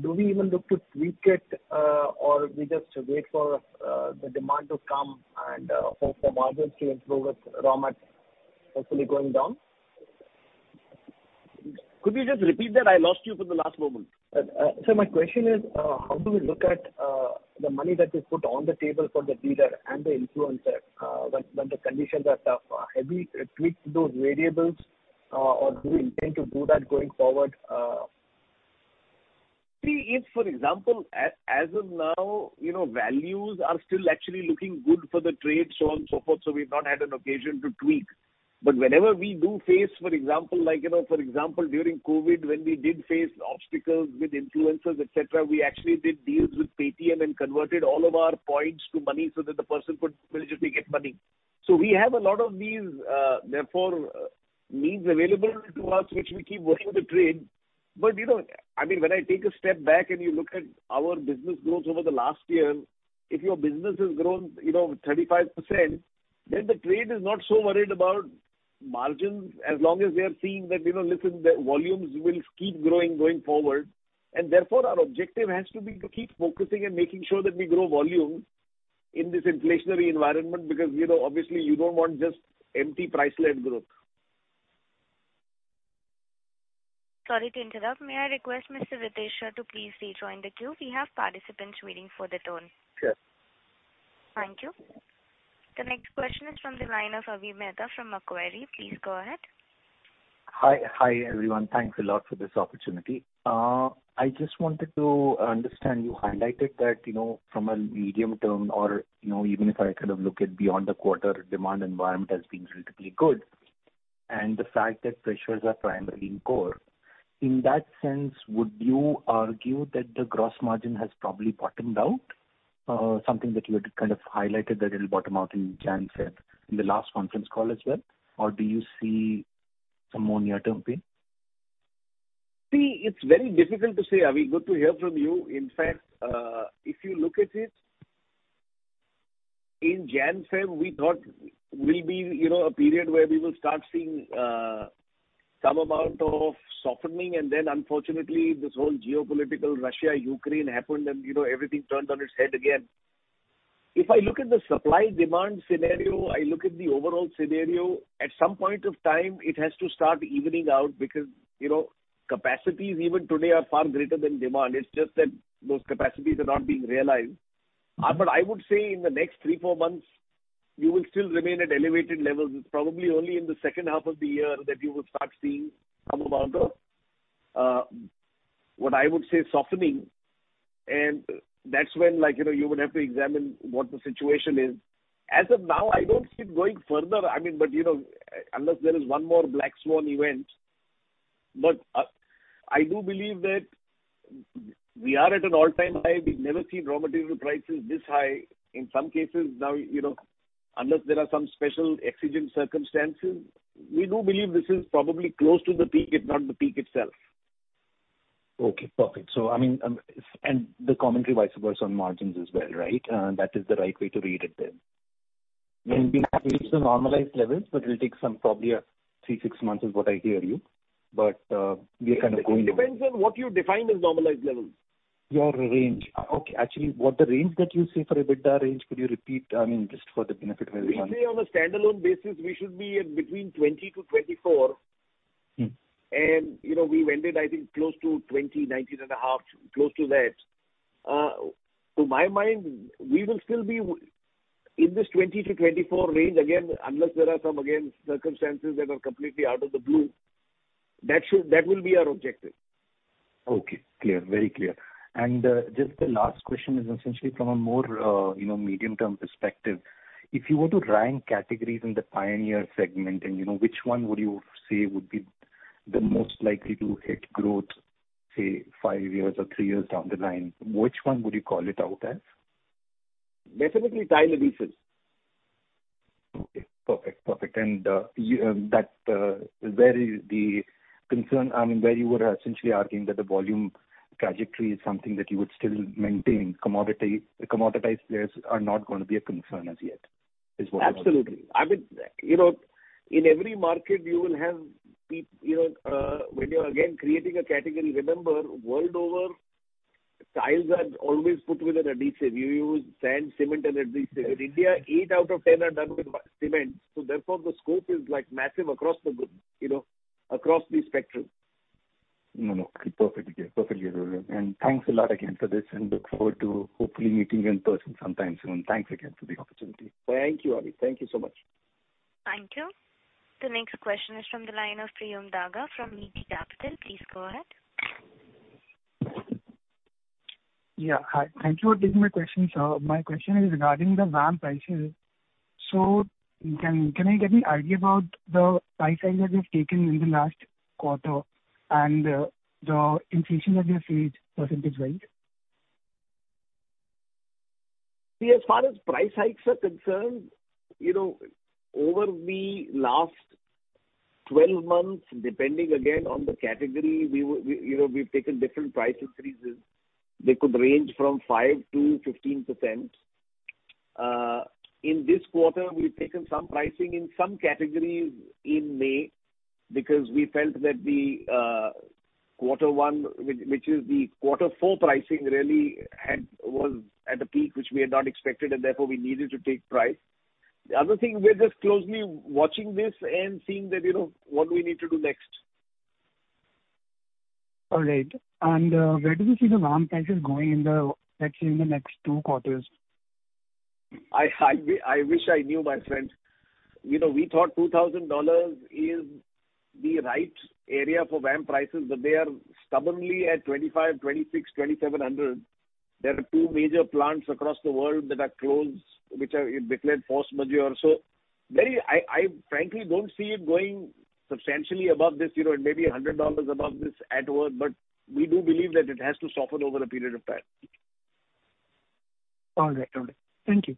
Do we even look to tweak it, or we just wait for the demand to come and for the margins to improve with raw materials hopefully going down? Could you just repeat that? I lost you for the last moment. Sir, my question is, how do you look at the money that you put on the table for the dealer and the influencer, when the conditions are tough? Have you tweaked those variables, or do you intend to do that going forward? See if, for example, as of now, you know, values are still actually looking good for the trade, so on and so forth, so we've not had an occasion to tweak. Whenever we do face, for example, like, you know, for example, during COVID, when we did face obstacles with influencers, et cetera, we actually did deals with Paytm and converted all of our points to money so that the person could literally get money. We have a lot of these other means available to us, which we keep working the trade. You know, I mean, when I take a step back and you look at our business growth over the last year, if your business has grown, you know, 35%, then the trade is not so worried about margins as long as they are seeing that, you know, listen, the volumes will keep growing going forward. Therefore, our objective has to be to keep focusing and making sure that we grow volume in this inflationary environment because, you know, obviously you don't want just empty price-led growth. Sorry to interrupt. May I request Mr. Ritesh Shah to please rejoin the queue? We have participants waiting for their turn. Sure. Thank you. The next question is from the line of Avi Mehta from Macquarie. Please go ahead. Hi, everyone. Thanks a lot for this opportunity. I just wanted to understand, you highlighted that, you know, from a medium term or, you know, even if I kind of look at beyond the quarter demand environment as being relatively good, and the fact that pressures are primarily in core. In that sense, would you argue that the gross margin has probably bottomed out? Something that you had kind of highlighted that it'll bottom out in Jan-Feb in the last conference call as well. Or do you see some more near-term pain? See, it's very difficult to say. Are we good to hear from you? In fact, if you look at it, in Jan-Feb, we thought will be, you know, a period where we will start seeing some amount of softening. Unfortunately, this whole geopolitical Russia-Ukraine happened and, you know, everything turned on its head again. If I look at the supply-demand scenario, I look at the overall scenario, at some point of time, it has to start evening out because, you know, capacities even today are far greater than demand. It's just that those capacities are not being realized. I would say in the next three, four months, you will still remain at elevated levels. It's probably only in the second half of the year that you will start seeing some amount of what I would say, softening. That's when, like, you know, you would have to examine what the situation is. As of now, I don't see it going further. I mean, you know, unless there is one more black swan event. I do believe that we are at an all-time high. We've never seen raw material prices this high. In some cases now, you know, unless there are some special exigent circumstances, we do believe this is probably close to the peak, if not the peak itself. Okay, perfect. I mean, and the commentary vice versa on margins as well, right? That is the right way to read it then. Yeah. We have reached the normalized levels, but it'll take some probably three, six months is what I hear you. We are kind of going. It depends on what you define as normalized levels. Your range. Okay. Actually, what the range that you say for EBITDA range, could you repeat? I mean, just for the benefit of everyone? We say on a standalone basis, we should be in between 20 to 24. Mm-hmm. You know, we ended, I think, close to 20, 19.5, close to that. To my mind, we will still be in this 20%-24% range. Again, unless there are some, again, circumstances that are completely out of the blue. That will be our objective. Okay, clear. Very clear. Just the last question is essentially from a more, you know, medium-term perspective. If you were to rank categories in the pioneer segment and, you know, which one would you say would be the most likely to hit growth, say, five years or three years down the line, which one would you call it out as? Definitely tile adhesives. Okay, perfect. Perfect. Where is the concern? I mean, where you were essentially arguing that the volume trajectory is something that you would still maintain. Commodity, commoditized players are not gonna be a concern as yet, is what I'm asking. Absolutely. I mean, you know, in every market you will have, you know, when you're again creating a category, remember, world over, tiles are always put with an adhesive. You use sand, cement and adhesive. In India, eight out of ten are done with cement, so therefore the scope is like massive across the board, you know, across the spectrum. No, no. Perfect. Yeah. Perfectly. Thanks a lot again for this, and look forward to hopefully meeting in person sometime soon. Thanks again for the opportunity. Thank you, Avi. Thank you so much. Thank you. The next question is from the line of Priyank Daga from Neeti Capital. Please go ahead. Yeah. Hi. Thank you for taking my question, sir. My question is regarding the VAM prices. Can I get any idea about the price hike that you've taken in the last quarter and the inflation that you have faced percentagewise? See, as far as price hikes are concerned, you know, over the last 12 months, depending again on the category, we, you know, we've taken different price increases. They could range from 5%-15%. In this quarter we've taken some pricing in some categories in May because we felt that the quarter one, which is the quarter four pricing really was at a peak which we had not expected, and therefore we needed to take price. The other thing, we're just closely watching this and seeing that, you know, what we need to do next. All right. Where do you see the VAM prices going in the, let's say, in the next two quarters? I wish I knew, my friend. You know, we thought $2,000 is the right area for VAM prices, but they are stubbornly at $2,500-$2,700. There are two major plants across the world that are closed, which are declared force majeure. I frankly don't see it going substantially above this, you know. It may be $100 above this at worst, but we do believe that it has to soften over a period of time. All right. Okay. Thank you.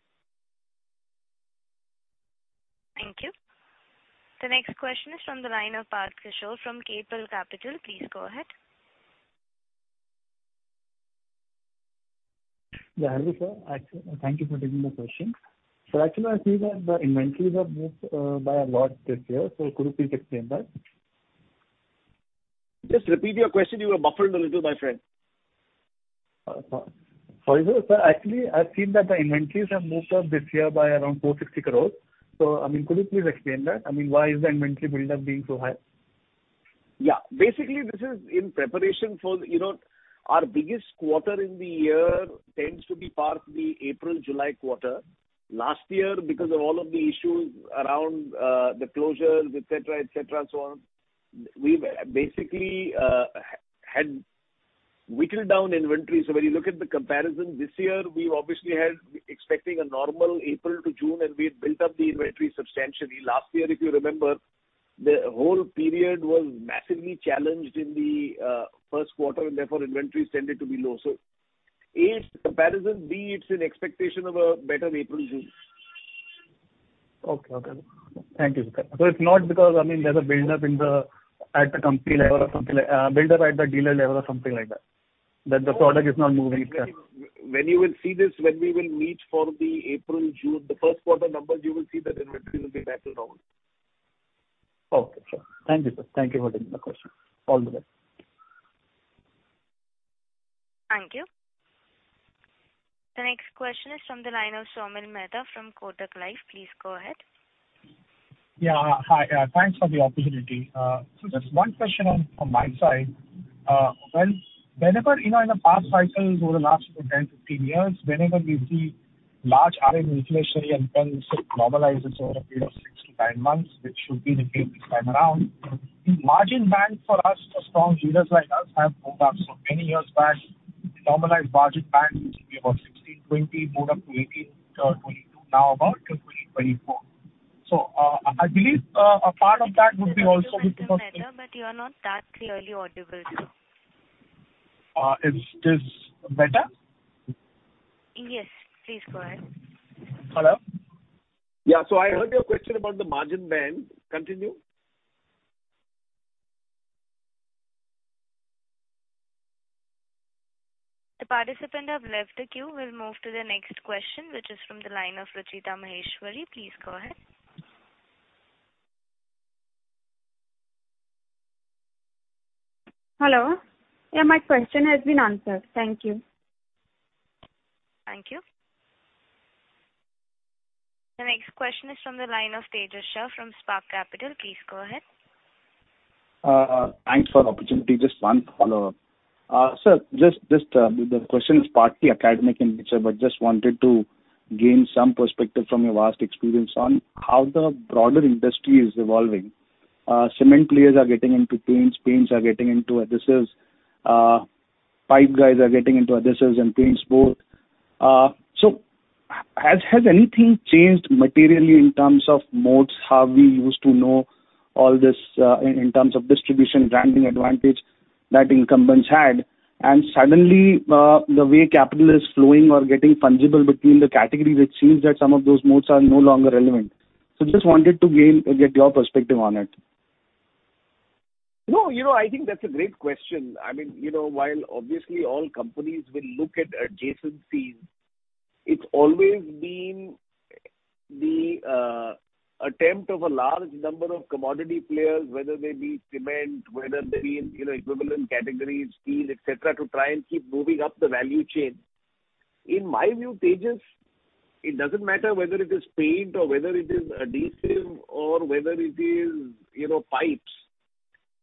Thank you. The next question is from the line of Par Kishore from Keppel Capital. Please go ahead. Yeah, hello sir. Actually, thank you for taking my question. Actually I see that the inventories have moved by a lot this year. Could you please explain that? Just repeat your question. You were buffered a little, my friend. Sorry, sir. Actually, I've seen that the inventories have moved up this year by around 460 crore. I mean, could you please explain that? I mean, why is the inventory build up being so high? Yeah. Basically, this is in preparation for, you know, our biggest quarter in the year tends to be part the April-July quarter. Last year because of all of the issues around, the closures et cetera, et cetera and so on, we basically, had whittled down inventory. When you look at the comparison this year, we obviously had expecting a normal April to June, and we had built up the inventory substantially. Last year if you remember, the whole period was massively challenged in the, first quarter and therefore inventories tended to be low. A, it's comparison, B, it's an expectation of a better April-June. Okay. Thank you, sir. It's not because, I mean, there's a build up in the at the company level or something like, build up at the dealer level or something like that the product is not moving itself. When you will see this, when we will meet for the April-June, the first quarter numbers you will see that inventory will be back to normal. Okay, sure. Thank you, sir. Thank you for taking the question. All the best. Thank you. The next question is from the line of Saumil Mehta from Kotak Life. Please go ahead. Yeah. Hi. Thanks for the opportunity. Just one question on, from my side. Whenever, you know, in the past cycles over the last 10, 15 years, whenever we see large inflation and then it normalizes over a period of six-nine months, which should be the case this time around, the margin band for us, for strong leaders like us have moved up. Many years back, the normalized margin band used to be about 16%-20%, moved up to 18%, 22%, now about 20%-24%. I believe a part of that would be also- Mr. Mehta, but you are not that clearly audible, sir. Is this better? Yes, please go ahead. Hello? Yeah. I heard your question about the margin band. Continue. The participant has left the queue. We'll move to the next question, which is from the line of Ruchita Maheshwari. Please go ahead. Hello. Yeah, my question has been answered. Thank you. Thank you. The next question is from the line of Tejas Shah from Spark Capital. Please go ahead. Thanks for the opportunity. Just one follow-up. Sir, just the question is partly academic in nature, but just wanted to gain some perspective from your vast experience on how the broader industry is evolving. Cement players are getting into paints are getting into adhesives, pipe guys are getting into adhesives and paints both. Has anything changed materially in terms of modes, how we used to know all this, in terms of distribution, branding advantage that incumbents had? Suddenly the way capital is flowing or getting fungible between the categories, it seems that some of those modes are no longer relevant. Just wanted to get your perspective on it. No, you know, I think that's a great question. I mean, you know, while obviously all companies will look at adjacencies, it's always been the attempt of a large number of commodity players, whether they be cement, whether they be in, you know, equivalent categories, steel, et cetera, to try and keep moving up the value chain. In my view, Tejas, it doesn't matter whether it is paint or whether it is adhesive or whether it is, you know, pipes.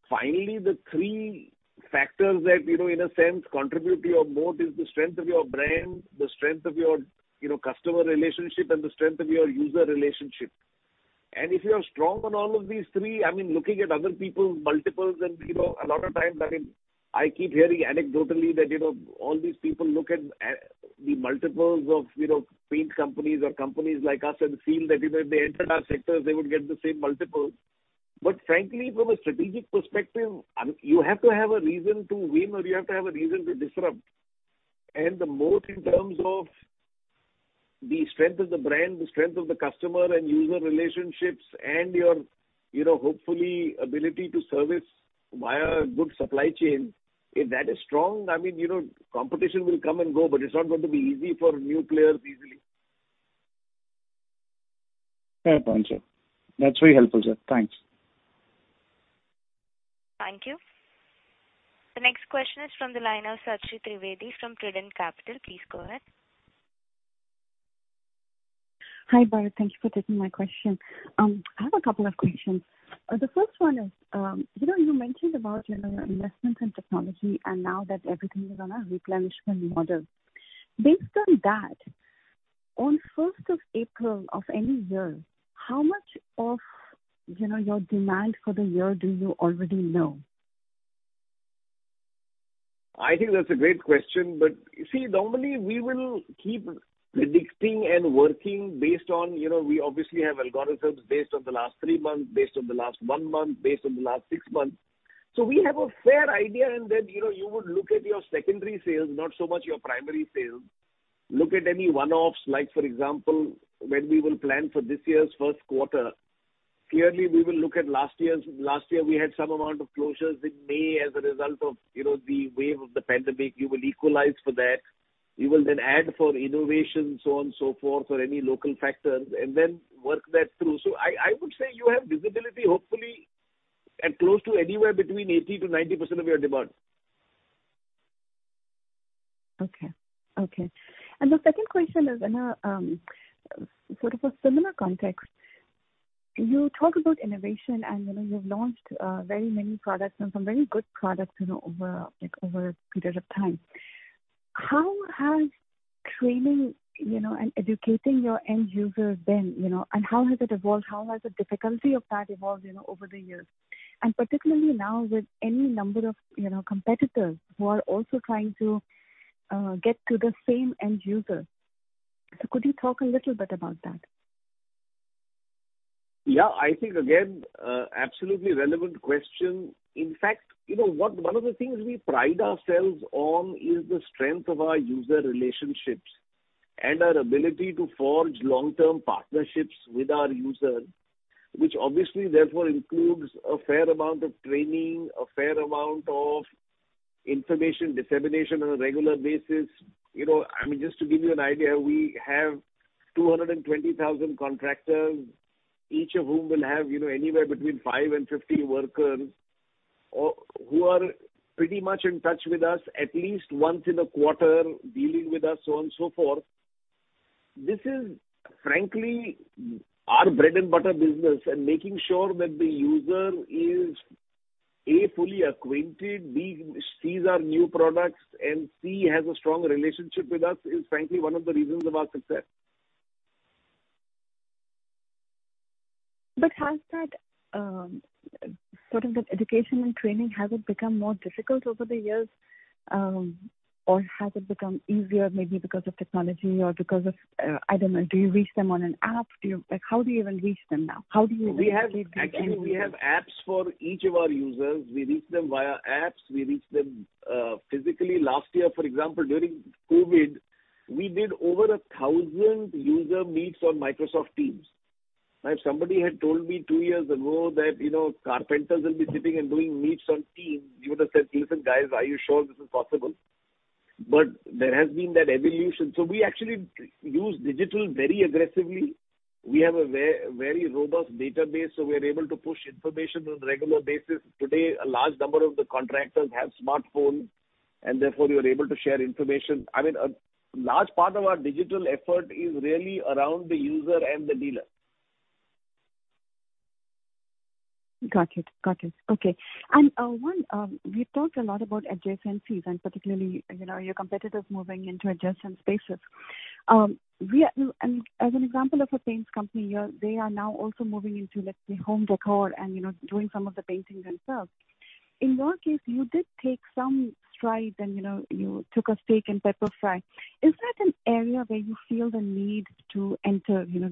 Finally, the three factors that, you know, in a sense contribute to your moat is the strength of your brand, the strength of your, you know, customer relationship, and the strength of your user relationship. If you are strong on all of these three, I mean, looking at other people's multiples and, you know, a lot of times, I mean, I keep hearing anecdotally that, you know, all these people look at the multiples of, you know, paint companies or companies like us and feel that if they entered our sectors, they would get the same multiples. But frankly, from a strategic perspective, you have to have a reason to win or you have to have a reason to disrupt. The moat in terms of the strength of the brand, the strength of the customer and user relationships and your, you know, hopefully ability to service via good supply chain. If that is strong, I mean, you know, competition will come and go, but it's not going to be easy for new players easily. Fair point, sir. That's very helpful, sir. Thanks. Thank you. The next question is from the line of Sachee Trivedi from Trident Capital. Please go ahead. Hi, Bharat. Thank you for taking my question. I have a couple of questions. The first one is, you know, you mentioned about, you know, investments in technology and now that everything is on a replenishment model. Based on that, on first of April of any year, how much of, you know, your demand for the year do you already know? I think that's a great question. You see, normally we will keep predicting and working based on, you know, we obviously have algorithms based on the last three months, based on the last one month, based on the last six months. We have a fair idea. You know, you would look at your secondary sales, not so much your primary sales. Look at any one-offs, like for example, when we will plan for this year's first quarter. Clearly we will look at last year's. Last year we had some amount of closures in May as a result of, you know, the wave of the pandemic. You will equalize for that. You will then add for innovation, so on and so forth, or any local factors, and then work that through. I would say you have visibility hopefully at close to anywhere between 80%-90% of your demand. Okay. The second question is in a sort of a similar context. You talk about innovation and, you know, you've launched very many products and some very good products, you know, over, like, over a period of time. How has training, you know, and educating your end user been, you know? How has it evolved? How has the difficulty of that evolved, you know, over the years? Particularly now with any number of, you know, competitors who are also trying to get to the same end user. Could you talk a little bit about that? Yeah. I think again, absolutely relevant question. In fact, you know, one of the things we pride ourselves on is the strength of our user relationships and our ability to forge long-term partnerships with our users, which obviously therefore includes a fair amount of training, a fair amount of information dissemination on a regular basis. You know, I mean, just to give you an idea, we have 220,000 contractors, each of whom will have, you know, anywhere between 5 and 50 workers, who are pretty much in touch with us at least once in a quarter, dealing with us, so on and so forth. This is frankly our bread and butter business and making sure that the user is, A, fully acquainted, B, sees our new products, and C, has a strong relationship with us, is frankly one of the reasons of our success. Has that sort of education and training become more difficult over the years, or has it become easier maybe because of technology or because of, I don't know, do you reach them on an app? Do you like, how do you even reach them now? How do you even keep? Actually, we have apps for each of our users. We reach them via apps. We reach them physically. Last year, for example, during COVID, we did over 1,000 user meets on Microsoft Teams. Now if somebody had told me two years ago that, you know, carpenters will be sitting and doing meets on Teams, you would have said, "Listen, guys, are you sure this is possible?" There has been that evolution. We actually use digital very aggressively. We have a very robust database, so we are able to push information on a regular basis. Today, a large number of the contractors have smartphones, and therefore you are able to share information. I mean, a large part of our digital effort is really around the user and the dealer. Got it. Okay. You talked a lot about adjacencies and particularly, you know, your competitors moving into adjacent spaces. As an example of a paints company, you know, they are now also moving into, let's say, home decor and, you know, doing some of the painting themselves. In your case, you did take some strides and, you know, you took a stake in Pepperfry. Is that an area where you feel the need to enter, you know,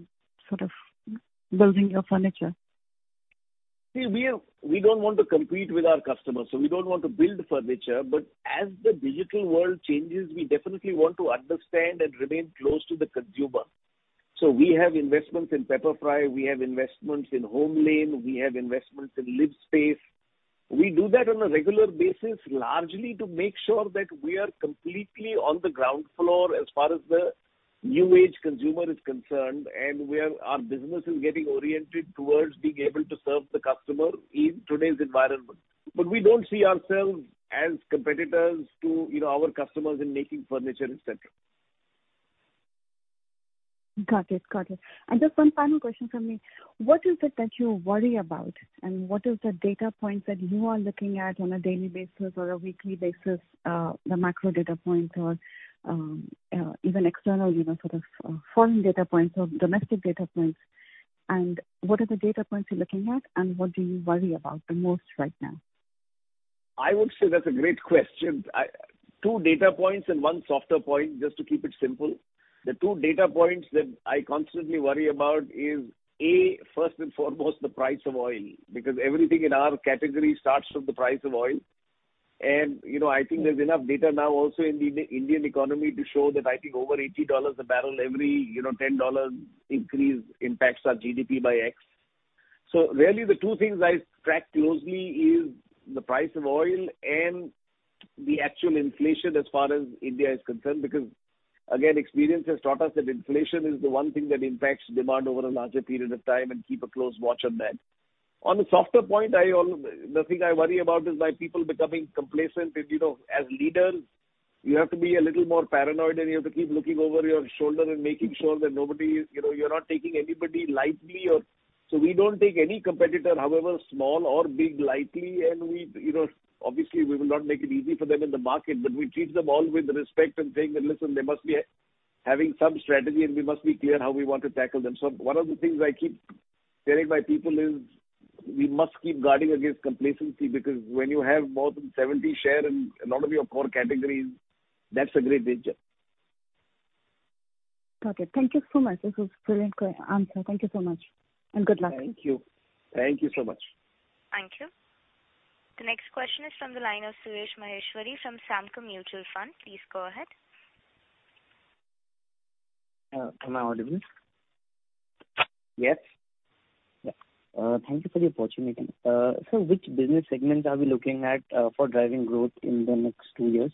sort of building your furniture? We don't want to compete with our customers, so we don't want to build furniture. As the digital world changes, we definitely want to understand and remain close to the consumer. We have investments in Pepperfry, we have investments in HomeLane, we have investments in Livspace. We do that on a regular basis, largely to make sure that we are completely on the ground floor as far as the new age consumer is concerned, and our business is getting oriented towards being able to serve the customer in today's environment. We don't see ourselves as competitors to, you know, our customers in making furniture, et cetera. Got it. Just one final question from me. What is it that you worry about, and what is the data points that you are looking at on a daily basis or a weekly basis, the macro data points or, even external, you know, sort of foreign data points or domestic data points? What are the data points you're looking at and what do you worry about the most right now? I would say that's a great question. Two data points and one softer point, just to keep it simple. The two data points that I constantly worry about is, A, first and foremost, the price of oil, because everything in our category starts with the price of oil. You know, I think there's enough data now also in the Indian economy to show that I think over $80 a barrel, every $10 increase impacts our GDP by X. So really the two things I track closely is the price of oil and the actual inflation as far as India is concerned, because again, experience has taught us that inflation is the one thing that impacts demand over a larger period of time and keep a close watch on that. On the softer point, the thing I worry about is my people becoming complacent. You know, as leaders you have to be a little more paranoid, and you have to keep looking over your shoulder and making sure that nobody's, you know, you're not taking anybody lightly or. We don't take any competitor however small or big, lightly. We, you know, obviously we will not make it easy for them in the market, but we treat them all with respect and saying that, "Listen, they must be having some strategy, and we must be clear how we want to tackle them." One of the things I keep telling my people is we must keep guarding against complacency because when you have more than 70% share in a lot of your core categories, that's a great danger. Okay. Thank you so much. That's a brilliant answer. Thank you so much and good luck. Thank you. Thank you so much. Thank you. The next question is from the line of Suresh Maheshwari from Samco Mutual Fund. Please go ahead. Am I audible? Yes. Yeah. Thank you for the opportunity. Sir, which business segments are we looking at for driving growth in the next two years?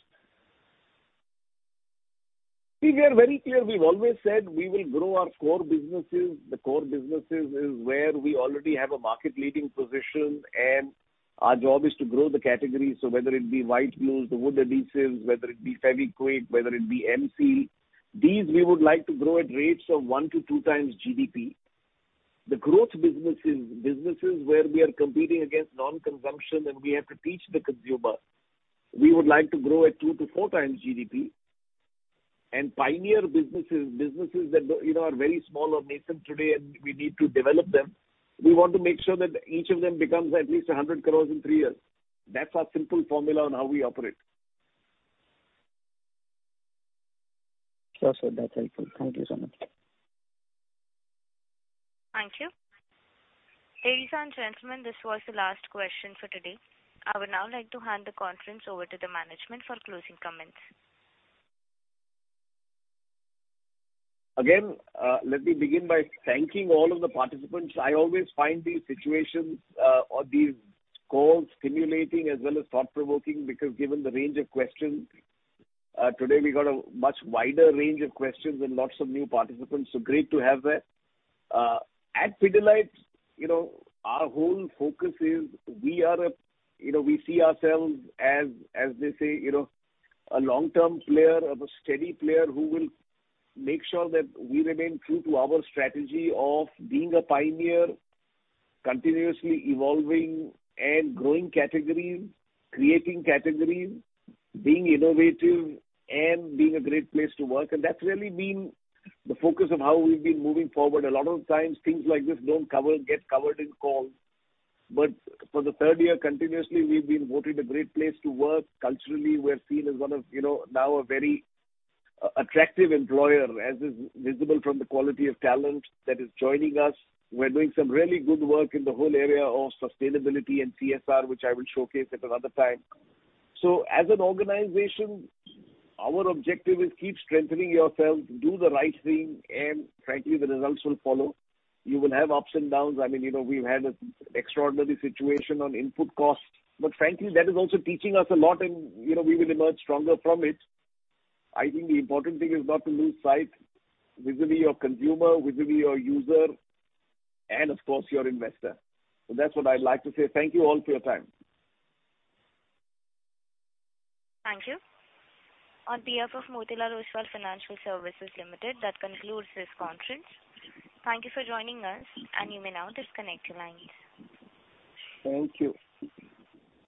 We are very clear. We've always said we will grow our core businesses. The core businesses is where we already have a market leading position, and our job is to grow the categories. So whether it be White Glues, the wood adhesives, whether it be Fevikwik, whether it be M-Seal, these we would like to grow at rates of 1x-2x GDP. The growth businesses where we are competing against non-consumption and we have to teach the consumer; we would like to grow at 2x-4x GDP. Pioneer businesses that, you know, are very small or nascent today and we need to develop them, we want to make sure that each of them becomes at least 100 crores in three years. That's our simple formula on how we operate. Sure, sir. That's helpful. Thank you so much. Thank you. Ladies and gentlemen, this was the last question for today. I would now like to hand the conference over to the management for closing comments. Again, let me begin by thanking all of the participants. I always find these situations or these calls stimulating as well as thought-provoking because given the range of questions, today we got a much wider range of questions and lots of new participants, so great to have that. At Pidilite, you know, our whole focus is we are a, you know, we see ourselves as they say, you know, a long-term player, a steady player who will make sure that we remain true to our strategy of being a pioneer, continuously evolving and growing categories, creating categories, being innovative and being a great place to work. That's really been the focus of how we've been moving forward. A lot of times things like this don't cover, get covered in calls, but for the third year continuously we've been voted a great place to work. Culturally, we're seen as one of, you know, now a very attractive employer, as is visible from the quality of talent that is joining us. We're doing some really good work in the whole area of sustainability and CSR, which I will showcase at another time. As an organization, our objective is keep strengthening yourself, do the right thing, and frankly, the results will follow. You will have ups and downs. I mean, you know, we've had an extraordinary situation on input costs, but frankly that is also teaching us a lot and, you know, we will emerge stronger from it. I think the important thing is not to lose sight vis-a-vis your consumer, vis-a-vis your user and of course your investor. That's what I'd like to say. Thank you all for your time. Thank you. On behalf of Motilal Oswal Financial Services Limited, that concludes this conference. Thank you for joining us, and you may now disconnect your lines. Thank you.